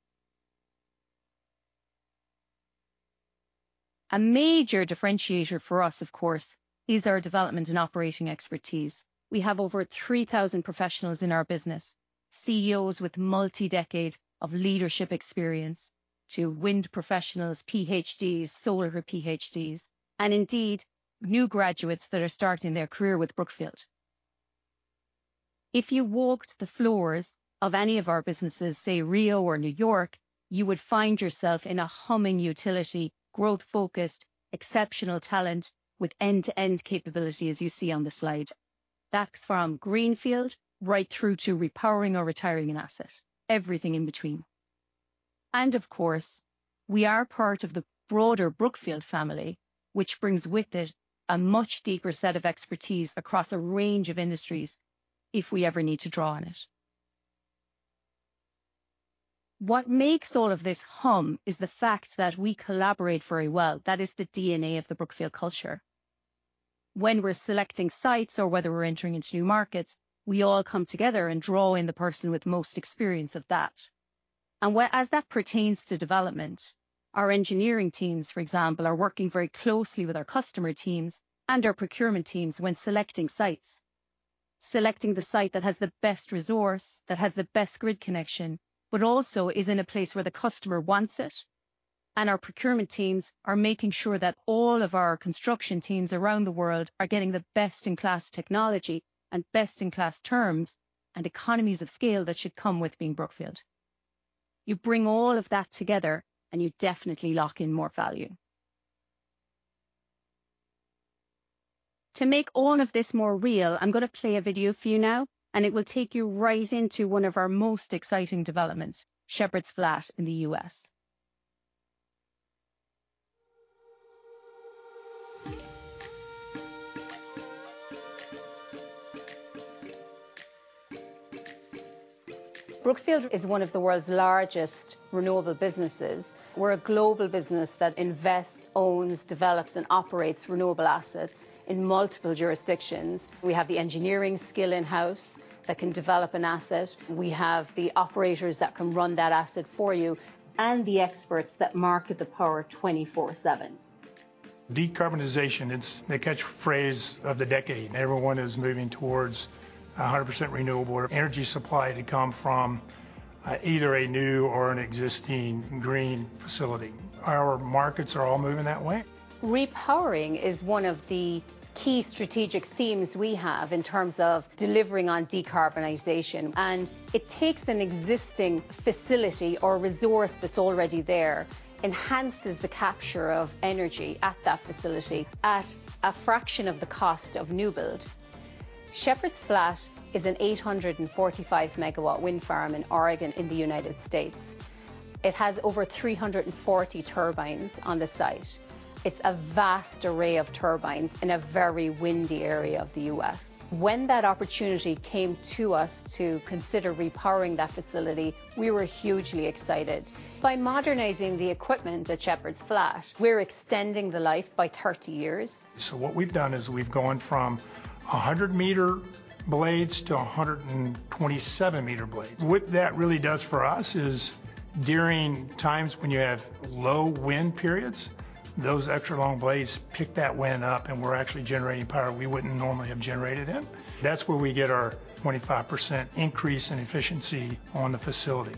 A major differentiator for us, of course, is our development and operating expertise. We have over 3,000 professionals in our business, CEOs with multi-decade of leadership experience to wind professionals, PhDs, solar PhDs, and indeed, new graduates that are starting their career with Brookfield. If you walked the floors of any of our businesses, say Rio or New York, you would find yourself in a humming utility, growth-focused, exceptional talent with end-to-end capability, as you see on the slide. That's from greenfield right through to repowering or retiring an asset, everything in between. Of course, we are part of the broader Brookfield family, which brings with it a much deeper set of expertise across a range of industries if we ever need to draw on it. What makes all of this hum is the fact that we collaborate very well. That is the DNA of the Brookfield culture. When we're selecting sites or whether we're entering into new markets, we all come together and draw in the person with most experience of that. As that pertains to development, our engineering teams, for example, are working very closely with our customer teams and our procurement teams when selecting sites. Selecting the site that has the best resource, that has the best grid connection, but also is in a place where the customer wants it. Our procurement teams are making sure that all of our construction teams around the world are getting the best-in-class technology and best-in-class terms and economies of scale that should come with being Brookfield. You bring all of that together, and you definitely lock in more value. To make all of this more real, I'm going to play a video for you now, and it will take you right into one of our most exciting developments, Shepherds Flat in the U.S. Brookfield is one of the world's largest renewable businesses. We're a global business that invests, owns, develops, and operates renewable assets in multiple jurisdictions. We have the engineering skill in-house that can develop an asset. We have the operators that can run that asset for you and the experts that market the power 24/7. Decarbonization, it's the catchphrase of the decade. Everyone is moving towards 100% renewable energy supply to come from either a new or an existing green facility. Our markets are all moving that way. Repowering is one of the key strategic themes we have in terms of delivering on decarbonization, and it takes an existing facility or resource that's already there, enhances the capture of energy at that facility at a fraction of the cost of new build. Shepherds Flat is an 845-megawatt wind farm in Oregon in the United States. It has over 340 turbines on the site. It's a vast array of turbines in a very windy area of the U.S. When that opportunity came to us to consider repowering that facility, we were hugely excited. By modernizing the equipment at Shepherds Flat, we're extending the life by 30 years. What we've done is we've gone from 100-meter blades to 127-meter blades. What that really does for us is, during times when you have low wind periods, those extra-long blades pick that wind up, and we're actually generating power we wouldn't normally have generated then. That's where we get our 25% increase in efficiency on the facility.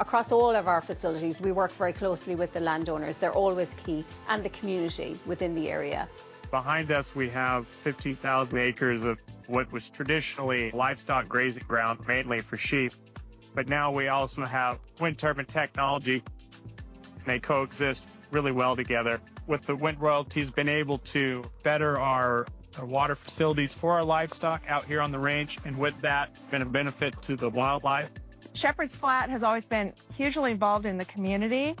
Across all of our facilities, we work very closely with the landowners. They're always key, and the community within the area. Behind us, we have 15,000 acres of what was traditionally livestock grazing ground, mainly for sheep, but now we also have wind turbine technology. They coexist really well together. With the wind royalties, been able to better our water facilities for our livestock out here on the ranch. With that, it's been a benefit to the wildlife. Shepherds Flat has always been hugely involved in the community.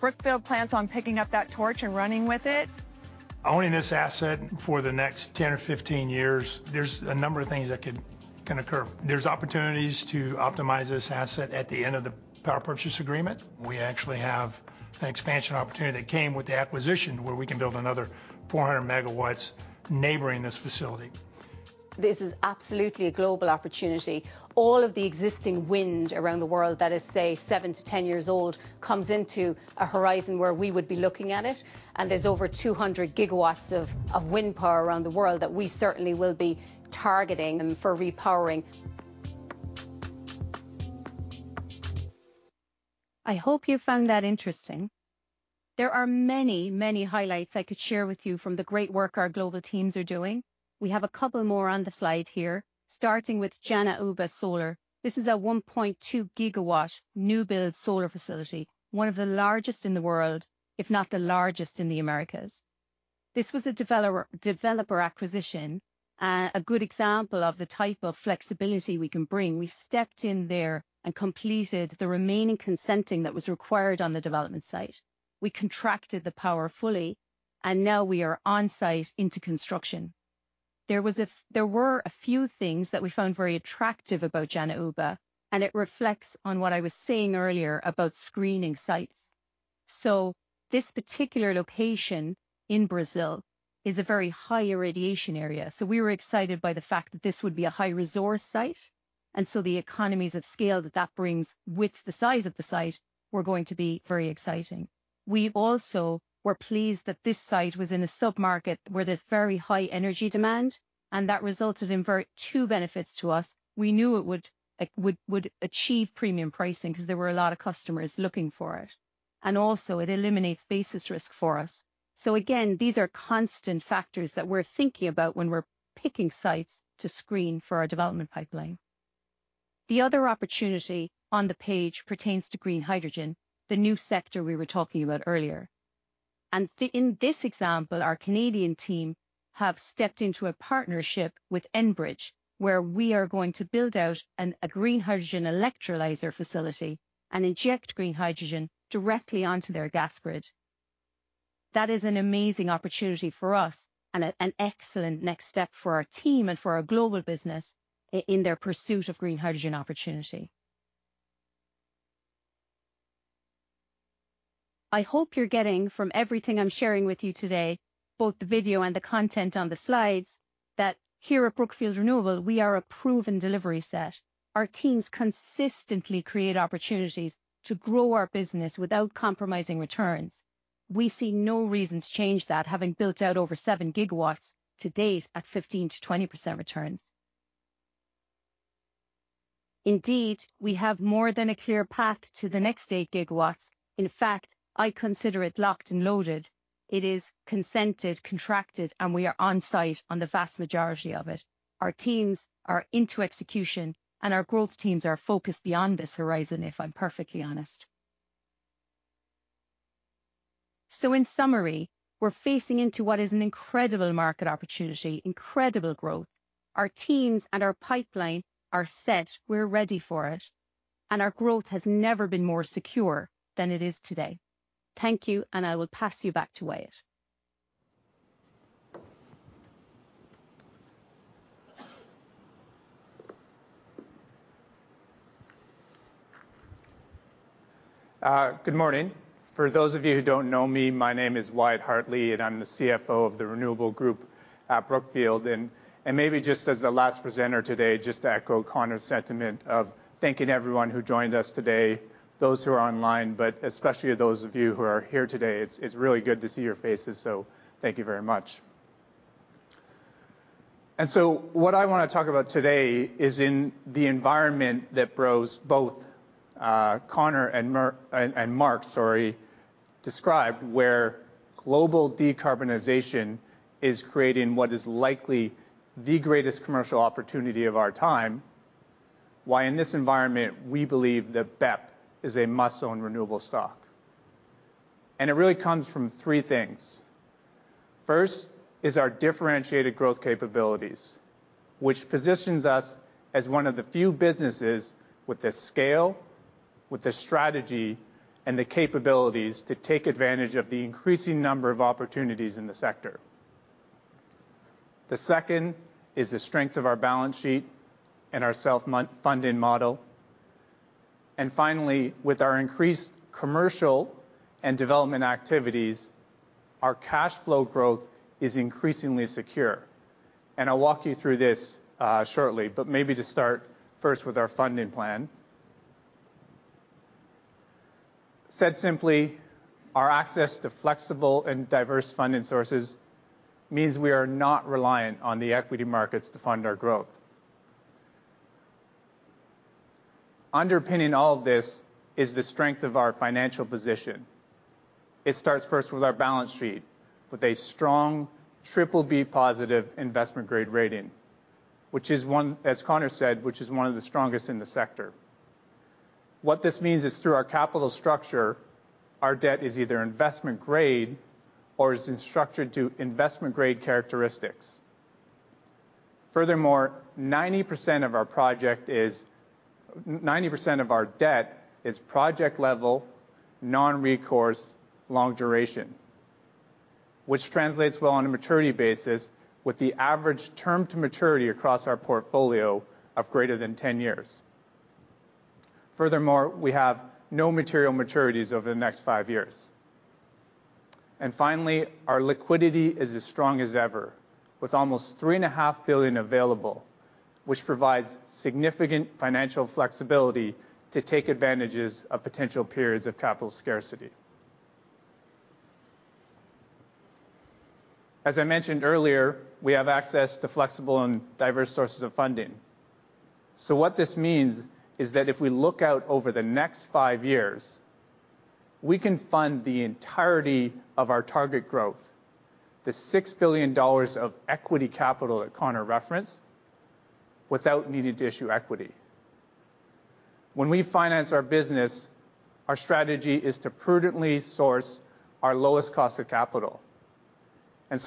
Brookfield plans on picking up that torch and running with it. Owning this asset for the next 10 or 15 years, there's a number of things that could occur. There's opportunities to optimize this asset at the end of the power purchase agreement. We actually have an expansion opportunity that came with the acquisition where we can build another 400 MW neighboring this facility. This is absolutely a global opportunity. All of the existing wind around the world that is, say, 7-10 years old comes into a horizon where we would be looking at it. There's over 200 GW of wind power around the world that we certainly will be targeting for repowering. I hope you found that interesting. There are many highlights I could share with you from the great work our global teams are doing. We have a couple more on the slide here, starting with Janaúba Solar. This is a 1.2 GW new build solar facility, one of the largest in the world, if not the largest in the Americas. This was a developer acquisition, a good example of the type of flexibility we can bring. We stepped in there and completed the remaining consenting that was required on the development site. We contracted the power fully, and now we are onsite into construction. There were a few things that we found very attractive about Janaúba, and it reflects on what I was saying earlier about screening sites. This particular location in Brazil is a very high irradiation area. We were excited by the fact that this would be a high-resource site, and so the economies of scale that that brings with the size of the site were going to be very exciting. We also were pleased that this site was in a sub-market where there's very high energy demand, and that resulted in two benefits to us. We knew it would achieve premium pricing because there were a lot of customers looking for it. Also it eliminates basis risk for us. Again, these are constant factors that we're thinking about when we're picking sites to screen for our development pipeline. The other opportunity on the page pertains to green hydrogen, the new sector we were talking about earlier. In this example, our Canadian team have stepped into a partnership with Enbridge, where we are going to build out a green hydrogen electrolyzer facility and inject green hydrogen directly onto their gas grid. That is an amazing opportunity for us and an excellent next step for our team and for our global business in their pursuit of green hydrogen opportunity. I hope you're getting, from everything I'm sharing with you today, both the video and the content on the slides, that here at Brookfield Renewable, we are a proven delivery set. Our teams consistently create opportunities to grow our business without compromising returns. We see no reason to change that, having built out over 7 gigawatts to date at 15%-20% returns. Indeed, we have more than a clear path to the next 8 gigawatts. In fact, I consider it locked and loaded. It is consented, contracted, and we are on-site on the vast majority of it. Our teams are into execution, and our growth teams are focused beyond this horizon, if I'm perfectly honest. In summary, we're facing into what is an incredible market opportunity, incredible growth. Our teams and our pipeline are set. We're ready for it, and our growth has never been more secure than it is today. Thank you, and I will pass you back to Wyatt. Good morning. For those of you who don't know me, my name is Wyatt Hartley, and I'm the CFO of the Renewable Group at Brookfield. Maybe just as the last presenter today, just to echo Connor Teskey's sentiment of thanking everyone who joined us today, those who are online, but especially those of you who are here today. It's really good to see your faces, so thank you very much. What I want to talk about today is in the environment that both Connor Teskey and Mark Carney described, where global decarbonization is creating what is likely the greatest commercial opportunity of our time. Why in this environment, we believe that BEP is a must-own renewable stock. It really comes from three things. First is our differentiated growth capabilities, which positions us as one of the few businesses with the scale, with the strategy, and the capabilities to take advantage of the increasing number of opportunities in the sector. The second is the strength of our balance sheet and our self-funding model. Finally, with our increased commercial and development activities, our cash flow growth is increasingly secure. I'll walk you through this shortly, but maybe to start first with our funding plan. Said simply, our access to flexible and diverse funding sources means we are not reliant on the equity markets to fund our growth. Underpinning all of this is the strength of our financial position. It starts first with our balance sheet, with a strong BBB+ investment-grade rating, as Connor said, which is one of the strongest in the sector. What this means is through our capital structure, our debt is either investment-grade or is structured to investment-grade characteristics. Furthermore, 90% of our debt is project-level, non-recourse, long duration, which translates well on a maturity basis with the average term to maturity across our portfolio of greater than 10 years. Furthermore, we have no material maturities over the next five years. Finally, our liquidity is as strong as ever, with almost three and a half billion available, which provides significant financial flexibility to take advantages of potential periods of capital scarcity. As I mentioned earlier, we have access to flexible and diverse sources of funding. What this means is that if we look out over the next five years, we can fund the entirety of our target growth, the $6 billion of equity capital that Connor referenced, without needing to issue equity. When we finance our business, our strategy is to prudently source our lowest cost of capital.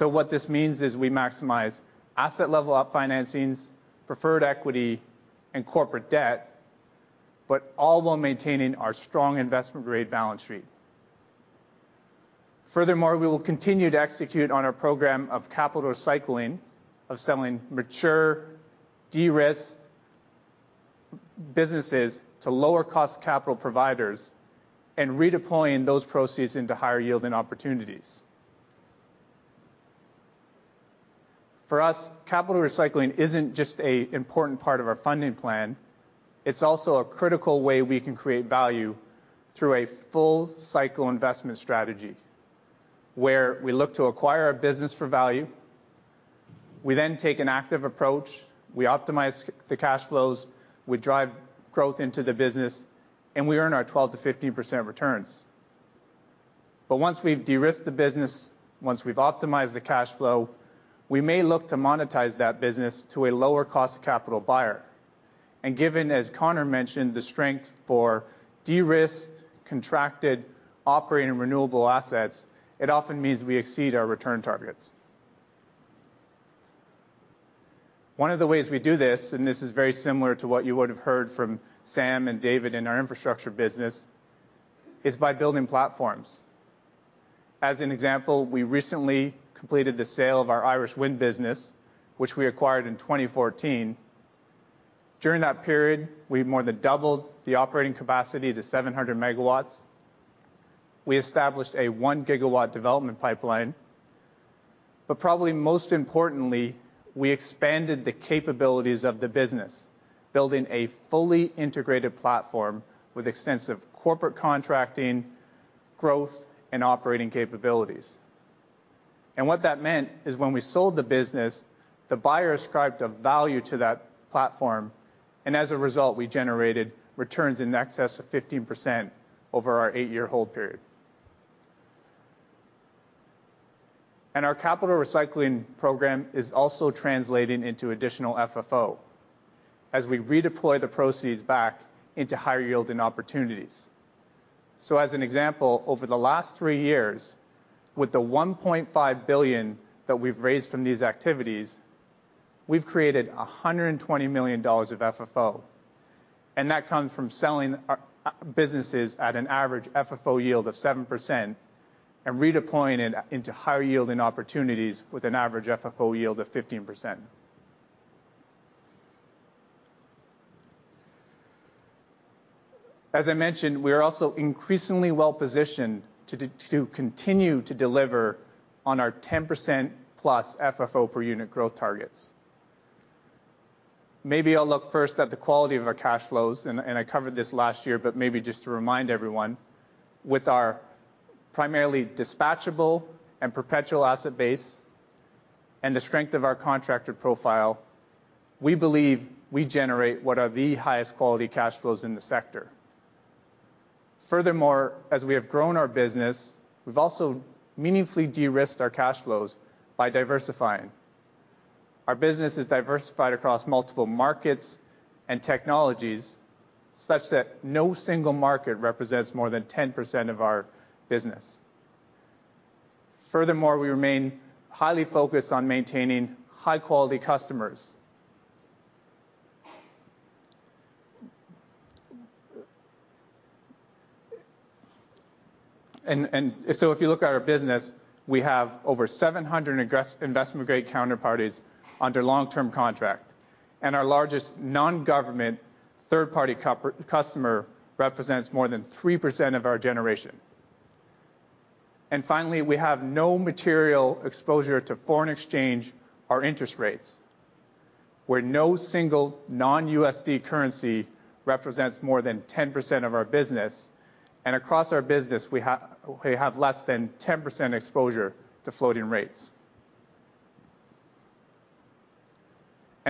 What this means is we maximize asset level up financings, preferred equity, and corporate debt, but all while maintaining our strong investment-grade balance sheet. Furthermore, we will continue to execute on our program of capital recycling, of selling mature, de-risked businesses to lower-cost capital providers and redeploying those proceeds into higher-yielding opportunities. For us, capital recycling isn't just an important part of our funding plan. It's also a critical way we can create value through a full-cycle investment strategy, where we look to acquire a business for value. We take an active approach. We optimize the cash flows, we drive growth into the business, and we earn our 12%-15% returns. Once we've de-risked the business, once we've optimized the cash flow, we may look to monetize that business to a lower-cost capital buyer. Given, as Connor mentioned, the strength for de-risked, contracted, operating renewable assets, it often means we exceed our return targets. One of the ways we do this, and this is very similar to what you would have heard from Sam and David in our infrastructure business, is by building platforms. As an example, we recently completed the sale of our Irish wind business, which we acquired in 2014. During that period, we more than doubled the operating capacity to 700 megawatts. We established a 1-gigawatt development pipeline. Probably most importantly, we expanded the capabilities of the business, building a fully integrated platform with extensive corporate contracting, growth, and operating capabilities. What that meant is when we sold the business, the buyer ascribed a value to that platform, and as a result, we generated returns in excess of 15% over our eight-year hold period. Our capital recycling program is also translating into additional FFO as we redeploy the proceeds back into higher-yielding opportunities. As an example, over the last three years, with the $1.5 billion that we've raised from these activities, we've created $120 million of FFO, and that comes from selling businesses at an average FFO yield of 7% and redeploying it into higher-yielding opportunities with an average FFO yield of 15%. As I mentioned, we are also increasingly well-positioned to continue to deliver on our 10%+ FFO per unit growth targets. Maybe I'll look first at the quality of our cash flows, and I covered this last year, but maybe just to remind everyone. With our primarily dispatchable and perpetual asset base and the strength of our contracted profile, we believe we generate what are the highest quality cash flows in the sector. Furthermore, as we have grown our business, we've also meaningfully de-risked our cash flows by diversifying. Our business is diversified across multiple markets and technologies such that no single market represents more than 10% of our business. Furthermore, we remain highly focused on maintaining high-quality customers. If you look at our business, we have over 700 investment-grade counterparties under long-term contract, and our largest non-government third-party customer represents more than 3% of our generation. Finally, we have no material exposure to foreign exchange or interest rates, where no single non-USD currency represents more than 10% of our business. Across our business, we have less than 10% exposure to floating rates.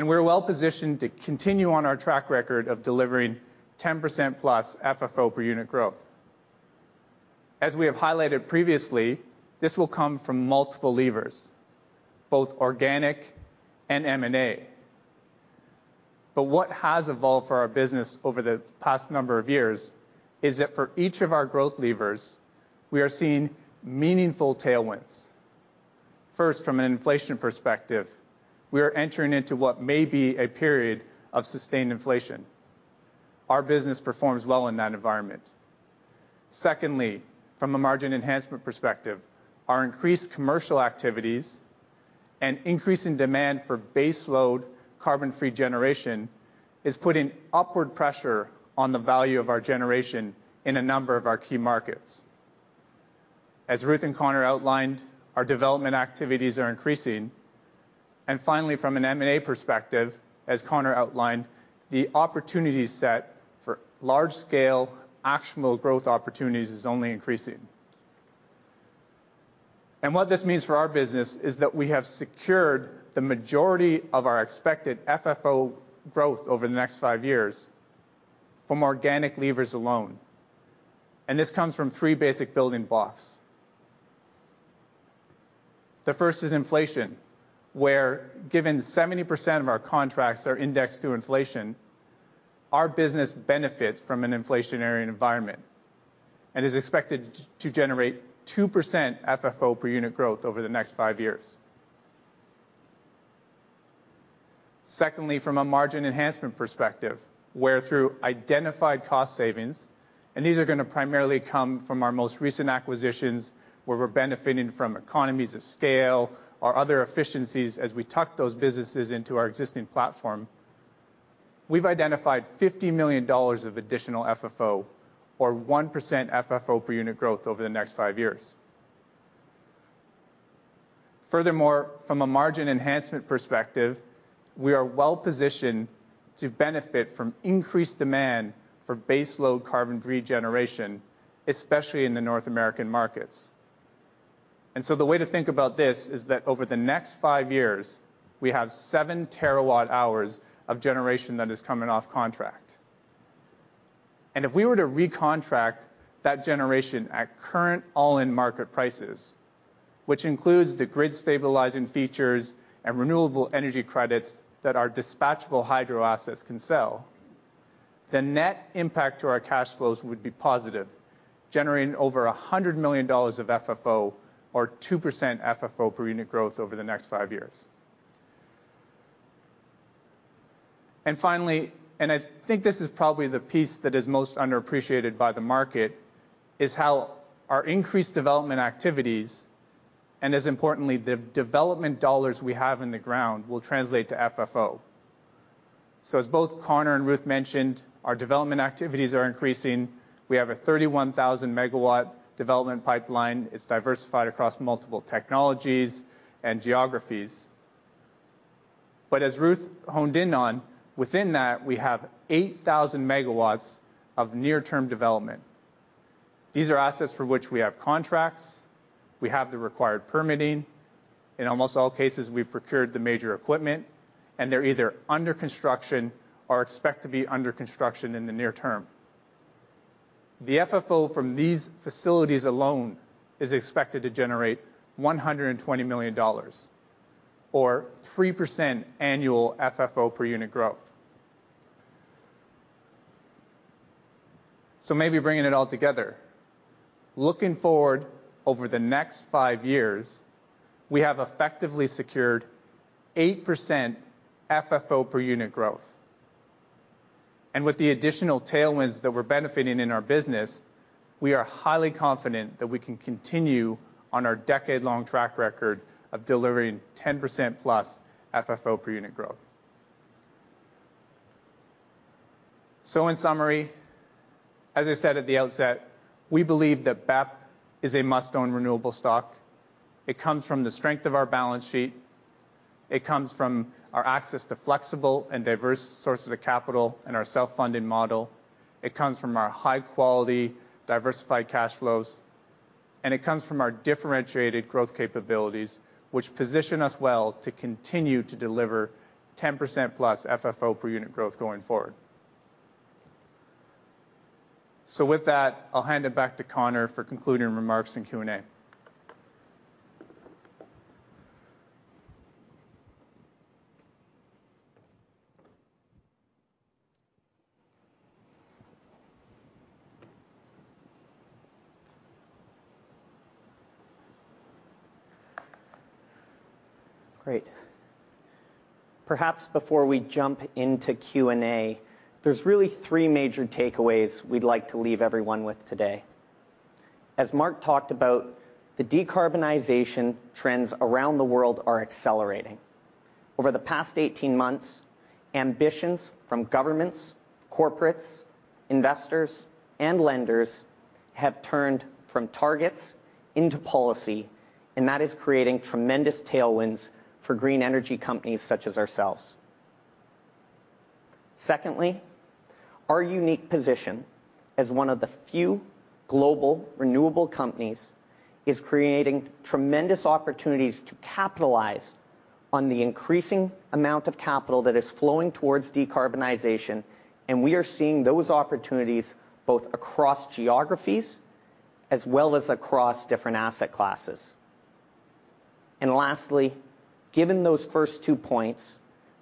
We're well positioned to continue on our track record of delivering 10%+ FFO per unit growth. As we have highlighted previously, this will come from multiple levers, both organic and M&A. What has evolved for our business over the past number of years is that for each of our growth levers, we are seeing meaningful tailwinds. First, from an inflation perspective, we are entering into what may be a period of sustained inflation. Our business performs well in that environment. Secondly, from a margin enhancement perspective, our increased commercial activities and increase in demand for base load carbon-free generation is putting upward pressure on the value of our generation in a number of our key markets. As Ruth and Connor outlined, our development activities are increasing. Finally, from an M&A perspective, as Connor outlined, the opportunity set for large-scale actionable growth opportunities is only increasing. What this means for our business is that we have secured the majority of our expected FFO growth over the next five years from organic levers alone. This comes from three basic building blocks. The first is inflation, where given 70% of our contracts are indexed to inflation, our business benefits from an inflationary environment and is expected to generate 2% FFO per unit growth over the next five years. Secondly, from a margin enhancement perspective, where through identified cost savings, and these are going to primarily come from our most recent acquisitions, where we're benefiting from economies of scale or other efficiencies as we tuck those businesses into our existing platform. We've identified $50 million of additional FFO or 1% FFO per unit growth over the next five years. Furthermore, from a margin enhancement perspective, we are well positioned to benefit from increased demand for base load carbon-free generation, especially in the North American markets. The way to think about this is that over the next five years, we have 7 terawatt-hours of generation that is coming off contract. If we were to recontract that generation at current all-in market prices, which includes the grid stabilizing features and renewable energy credits that our dispatchable hydro assets can sell, the net impact to our cash flows would be positive, generating over $100 million of FFO or 2% FFO per unit growth over the next five years. Finally, and I think this is probably the piece that is most underappreciated by the market, is how our increased development activities, and as importantly, the development dollars we have in the ground, will translate to FFO. As both Connor and Ruth mentioned, our development activities are increasing. We have a 31,000-megawatt development pipeline. It's diversified across multiple technologies and geographies. As Ruth honed in on, within that, we have 8,000 megawatts of near-term development. These are assets for which we have contracts. We have the required permitting. In almost all cases, we've procured the major equipment, and they're either under construction or expect to be under construction in the near term. The FFO from these facilities alone is expected to generate $120 million or 3% annual FFO per unit growth. Maybe bringing it all together. Looking forward over the next five years, we have effectively secured 8% FFO per unit growth. With the additional tailwinds that we're benefiting in our business, we are highly confident that we can continue on our decade-long track record of delivering 10%+ FFO per unit growth. In summary, as I said at the outset, we believe that BEP is a must-own renewable stock. It comes from the strength of our balance sheet. It comes from our access to flexible and diverse sources of capital and our self-funding model. It comes from our high-quality, diversified cash flows, and it comes from our differentiated growth capabilities, which position us well to continue to deliver 10%+ FFO per unit growth going forward. With that, I'll hand it back to Connor for concluding remarks and Q&A. Great. Perhaps before we jump into Q&A, there's really three major takeaways we'd like to leave everyone with today. As Mark talked about, the decarbonization trends around the world are accelerating. Over the past 18 months, ambitions from governments, corporates, investors, and lenders have turned from targets into policy, and that is creating tremendous tailwinds for green energy companies such as ourselves. Secondly, our unique position as one of the few global renewable companies is creating tremendous opportunities to capitalize on the increasing amount of capital that is flowing towards decarbonization, and we are seeing those opportunities both across geographies as well as across different asset classes. Lastly, given those first two points,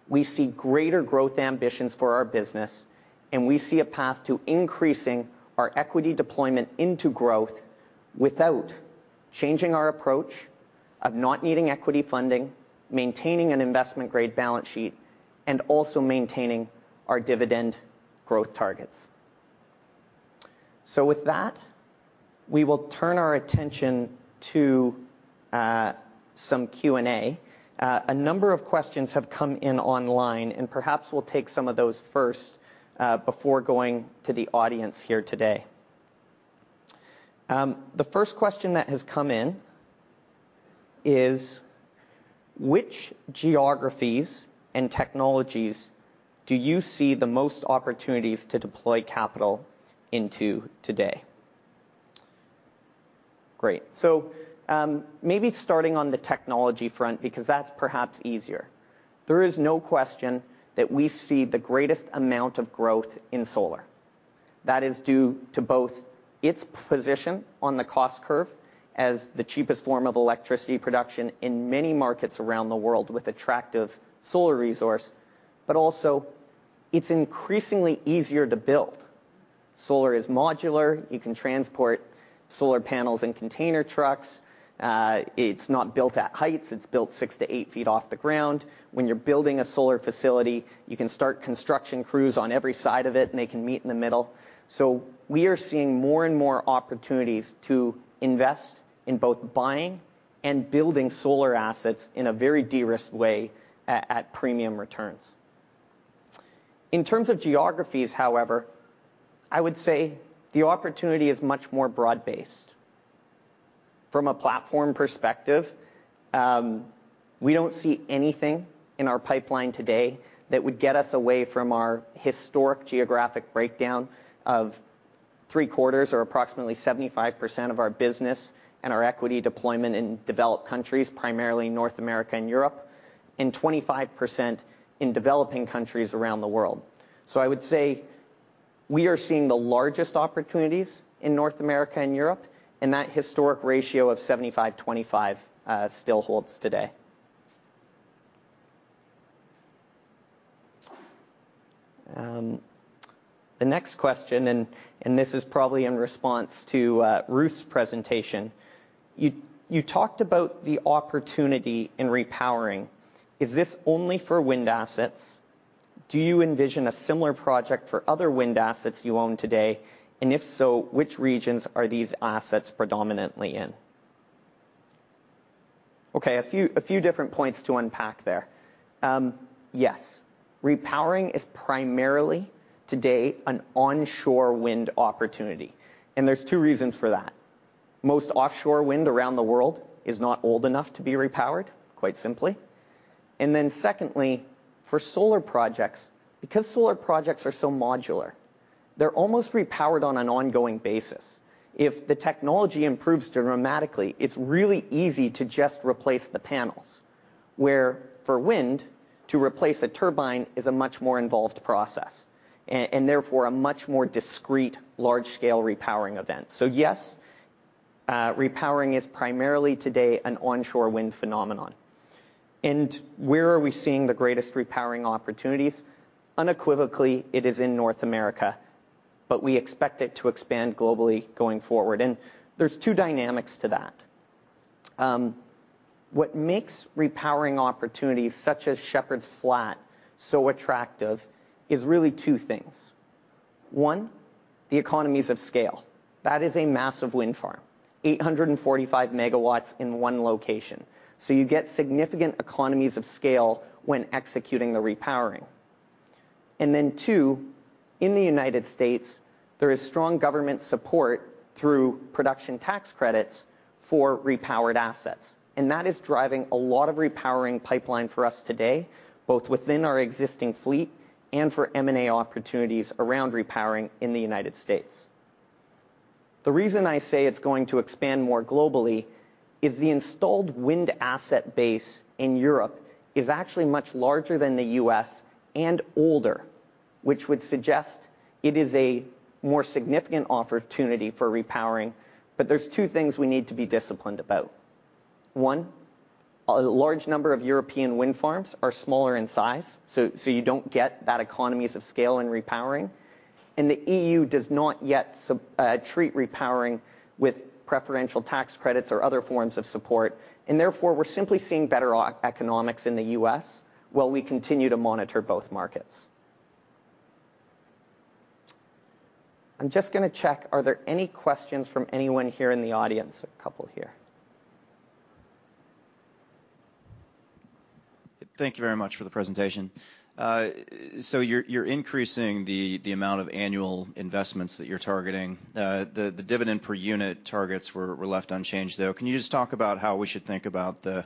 we see greater growth ambitions for our business, and we see a path to increasing our equity deployment into growth without changing our approach of not needing equity funding, maintaining an investment-grade balance sheet, and also maintaining our dividend growth targets. With that, we will turn our attention to some Q&A. A number of questions have come in online, and perhaps we'll take some of those first before going to the audience here today. The first question that has come in is, "Which geographies and technologies do you see the most opportunities to deploy capital into today?" Great. Maybe starting on the technology front, because that's perhaps easier. There is no question that we see the greatest amount of growth in solar. That is due to both its position on the cost curve as the cheapest form of electricity production in many markets around the world with attractive solar resource. Also, it's increasingly easier to build. Solar is modular. You can transport solar panels in container trucks. It's not built at heights. It's built six to eight feet off the ground. When you're building a solar facility, you can start construction crews on every side of it, and they can meet in the middle. We are seeing more and more opportunities to invest in both buying and building solar assets in a very de-risked way at premium returns. In terms of geographies, however, I would say the opportunity is much more broad-based. From a platform perspective, we don't see anything in our pipeline today that would get us away from our historic geographic breakdown of three quarters or approximately 75% of our business and our equity deployment in developed countries, primarily North America and Europe, and 25% in developing countries around the world. I would say we are seeing the largest opportunities in North America and Europe, and that historic ratio of 75/25 still holds today. The next question, and this is probably in response to Ruth's presentation. "You talked about the opportunity in repowering. Is this only for wind assets? Do you envision a similar project for other wind assets you own today? And if so, which regions are these assets predominantly in?" Okay, a few different points to unpack there. Yes. Repowering is primarily today an onshore wind opportunity, and there's two reasons for that. Most offshore wind around the world is not old enough to be repowered, quite simply. Then secondly, for solar projects, because solar projects are so modular, they're almost repowered on an ongoing basis. If the technology improves dramatically, it's really easy to just replace the panels, where for wind, to replace a turbine is a much more involved process, and therefore a much more discreet, large-scale repowering event. Yes, repowering is primarily today an onshore wind phenomenon. Where are we seeing the greatest repowering opportunities? Unequivocally, it is in North America, but we expect it to expand globally going forward. There's two dynamics to that. What makes repowering opportunities such as Shepherds Flat so attractive is really two things. One, the economies of scale. That is a massive wind farm, 845 MW in one location. You get significant economies of scale when executing the repowering. Then two, in the U.S., there is strong government support through Production Tax Credits for repowered assets, and that is driving a lot of repowering pipeline for us today, both within our existing fleet and for M&A opportunities around repowering in the U.S. The reason I say it's going to expand more globally is the installed wind asset base in Europe is actually much larger than the U.S. and older, which would suggest it is a more significant opportunity for repowering. There's two things we need to be disciplined about. one, a large number of European wind farms are smaller in size, so you don't get that economies of scale in repowering. The EU does not yet treat repowering with preferential tax credits or other forms of support, and therefore, we're simply seeing better economics in the U.S., while we continue to monitor both markets. I'm just going to check, are there any questions from anyone here in the audience? A couple here. Thank you very much for the presentation. You're increasing the amount of annual investments that you're targeting. The dividend per unit targets were left unchanged, though. Can you just talk about how we should think about the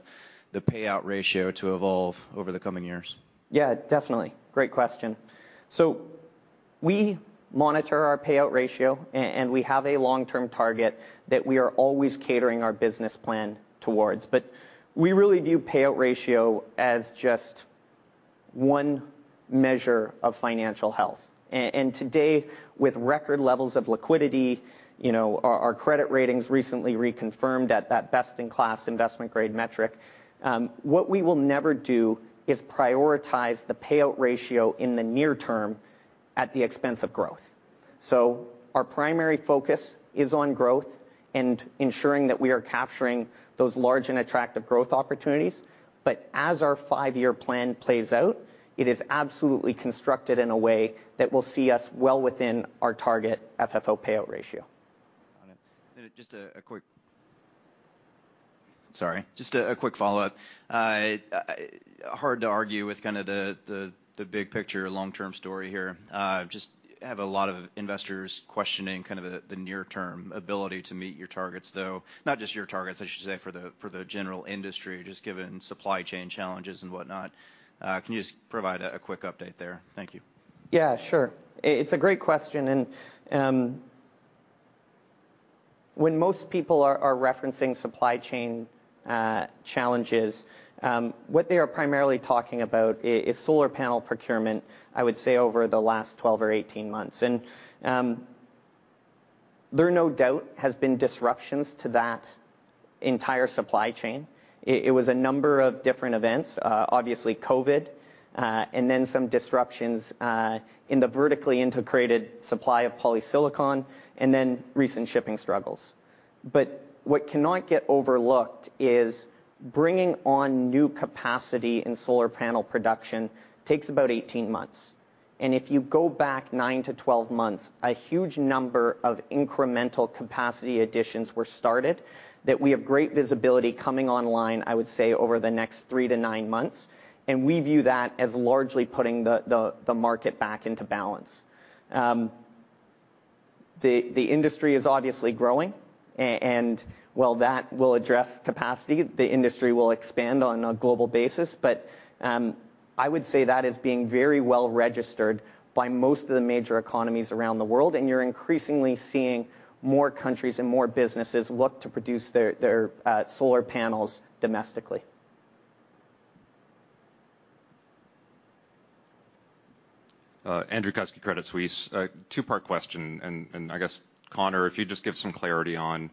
payout ratio to evolve over the coming years? Yeah, definitely. Great question. We monitor our payout ratio, and we have a long-term target that we are always catering our business plan towards, but we really view payout ratio as just one measure of financial health. Today, with record levels of liquidity, our credit ratings recently reconfirmed at that best-in-class investment grade metric. What we will never do is prioritize the payout ratio in the near term at the expense of growth. Our primary focus is on growth and ensuring that we are capturing those large and attractive growth opportunities. As our five-year plan plays out, it is absolutely constructed in a way that will see us well within our target FFO payout ratio. Got it. Sorry. Just a quick follow-up. Hard to argue with the big picture long-term story here. Just have a lot of investors questioning the near-term ability to meet your targets, though. Not just your targets, I should say, for the general industry, just given supply chain challenges and whatnot. Can you just provide a quick update there? Thank you. Yeah, sure. It's a great question. When most people are referencing supply chain challenges, what they are primarily talking about is solar panel procurement, I would say, over the last 12 or 18 months. There no doubt has been disruptions to that entire supply chain. It was a number of different events, obviously COVID, and then some disruptions in the vertically integrated supply of polysilicon, and then recent shipping struggles. What cannot get overlooked is bringing on new capacity in solar panel production takes about 18 months. If you go back nine to 12 months, a huge number of incremental capacity additions were started that we have great visibility coming online, I would say, over the next three to nine months. We view that as largely putting the market back into balance. The industry is obviously growing, while that will address capacity, the industry will expand on a global basis. I would say that is being very well registered by most of the major economies around the world, you're increasingly seeing more countries and more businesses look to produce their solar panels domestically. Andrew Kuske, Credit Suisse. A two-part question. I guess, Connor, if you just give some clarity on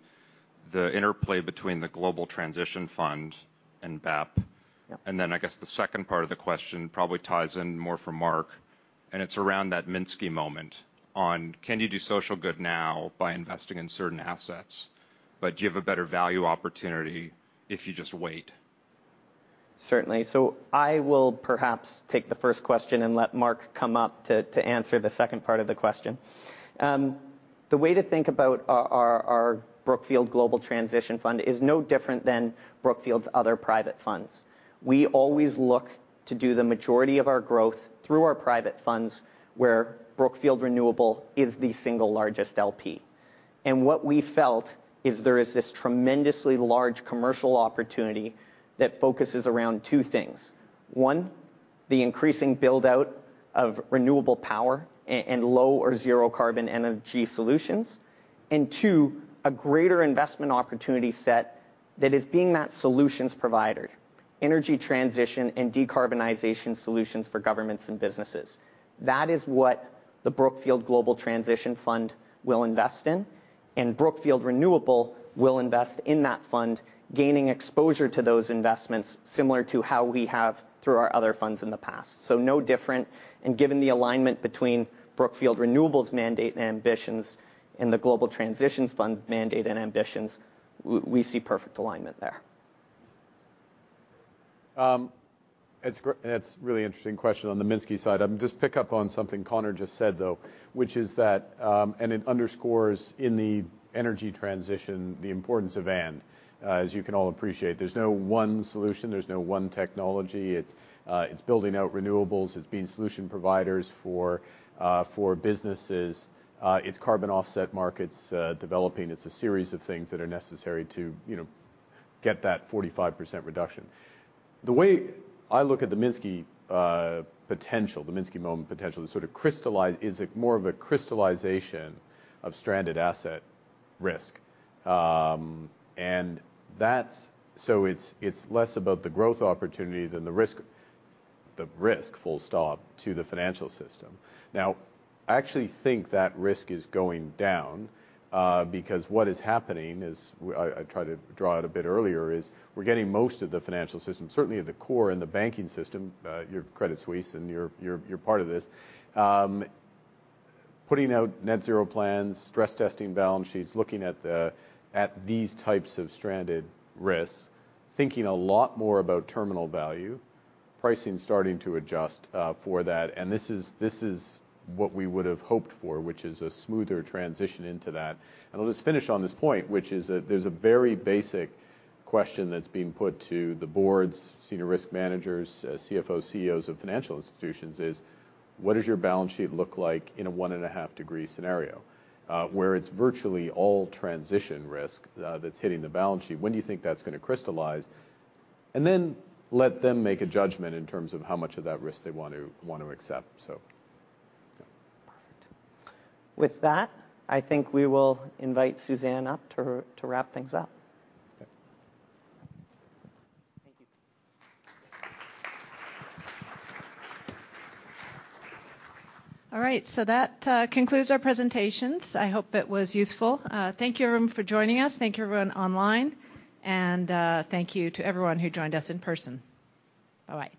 the interplay between the Global Transition Fund and BEP. Yep. I guess the second part of the question probably ties in more for Mark, and it's around that Minsky moment on can you do social good now by investing in certain assets, but do you have a better value opportunity if you just wait? Certainly. I will perhaps take the first question and let Mark come up to answer the second part of the question. The way to think about our Brookfield Global Transition Fund is no different than Brookfield's other private funds. We always look to do the majority of our growth through our private funds, where Brookfield Renewable is the single largest LP. What we felt is there is this tremendously large commercial opportunity that focuses around two things. One, the increasing build-out of renewable power and low or zero-carbon energy solutions. Two, a greater investment opportunity set that is being that solutions provider, energy transition, and decarbonization solutions for governments and businesses. That is what the Brookfield Global Transition Fund will invest in, and Brookfield Renewable will invest in that fund, gaining exposure to those investments similar to how we have through our other funds in the past. No different, and given the alignment between Brookfield Renewable's mandate and ambitions and the Global Transition Fund mandate and ambitions, we see perfect alignment there. That's a really interesting question on the Minsky side. Just pick up on something Connor just said, though, which is that, and it underscores in the energy transition the importance of and. As you can all appreciate, there's no one solution, there's no one technology. It's building out renewables. It's being solution providers for businesses. It's carbon offset markets developing. It's a series of things that are necessary to get that 45% reduction. The way I look at the Minsky moment potential is more of a crystallization of stranded asset risk. It's less about the growth opportunity than the risk, full stop, to the financial system. Now, I actually think that risk is going down because what is happening is, I tried to draw it a bit earlier, is we're getting most of the financial system, certainly at the core in the banking system, you're Credit Suisse and you're part of this, putting out net zero plans, stress testing balance sheets, looking at these types of stranded risks, thinking a lot more about terminal value, pricing starting to adjust for that. This is what we would have hoped for, which is a smoother transition into that. I'll just finish on this point, which is that there's a very basic question that's being put to the boards, senior risk managers, CFOs, CEOs of financial institutions, is what does your balance sheet look like in a one-and-a-half degree scenario where it's virtually all transition risk that's hitting the balance sheet? When do you think that's going to crystallize? Then let them make a judgment in terms of how much of that risk they want to accept. Perfect. With that, I think we will invite Suzanne up to wrap things up. Okay. Thank you. All right. That concludes our presentations. I hope it was useful. Thank you, everyone, for joining us. Thank you, everyone online, and thank you to everyone who joined us in person. Bye-bye.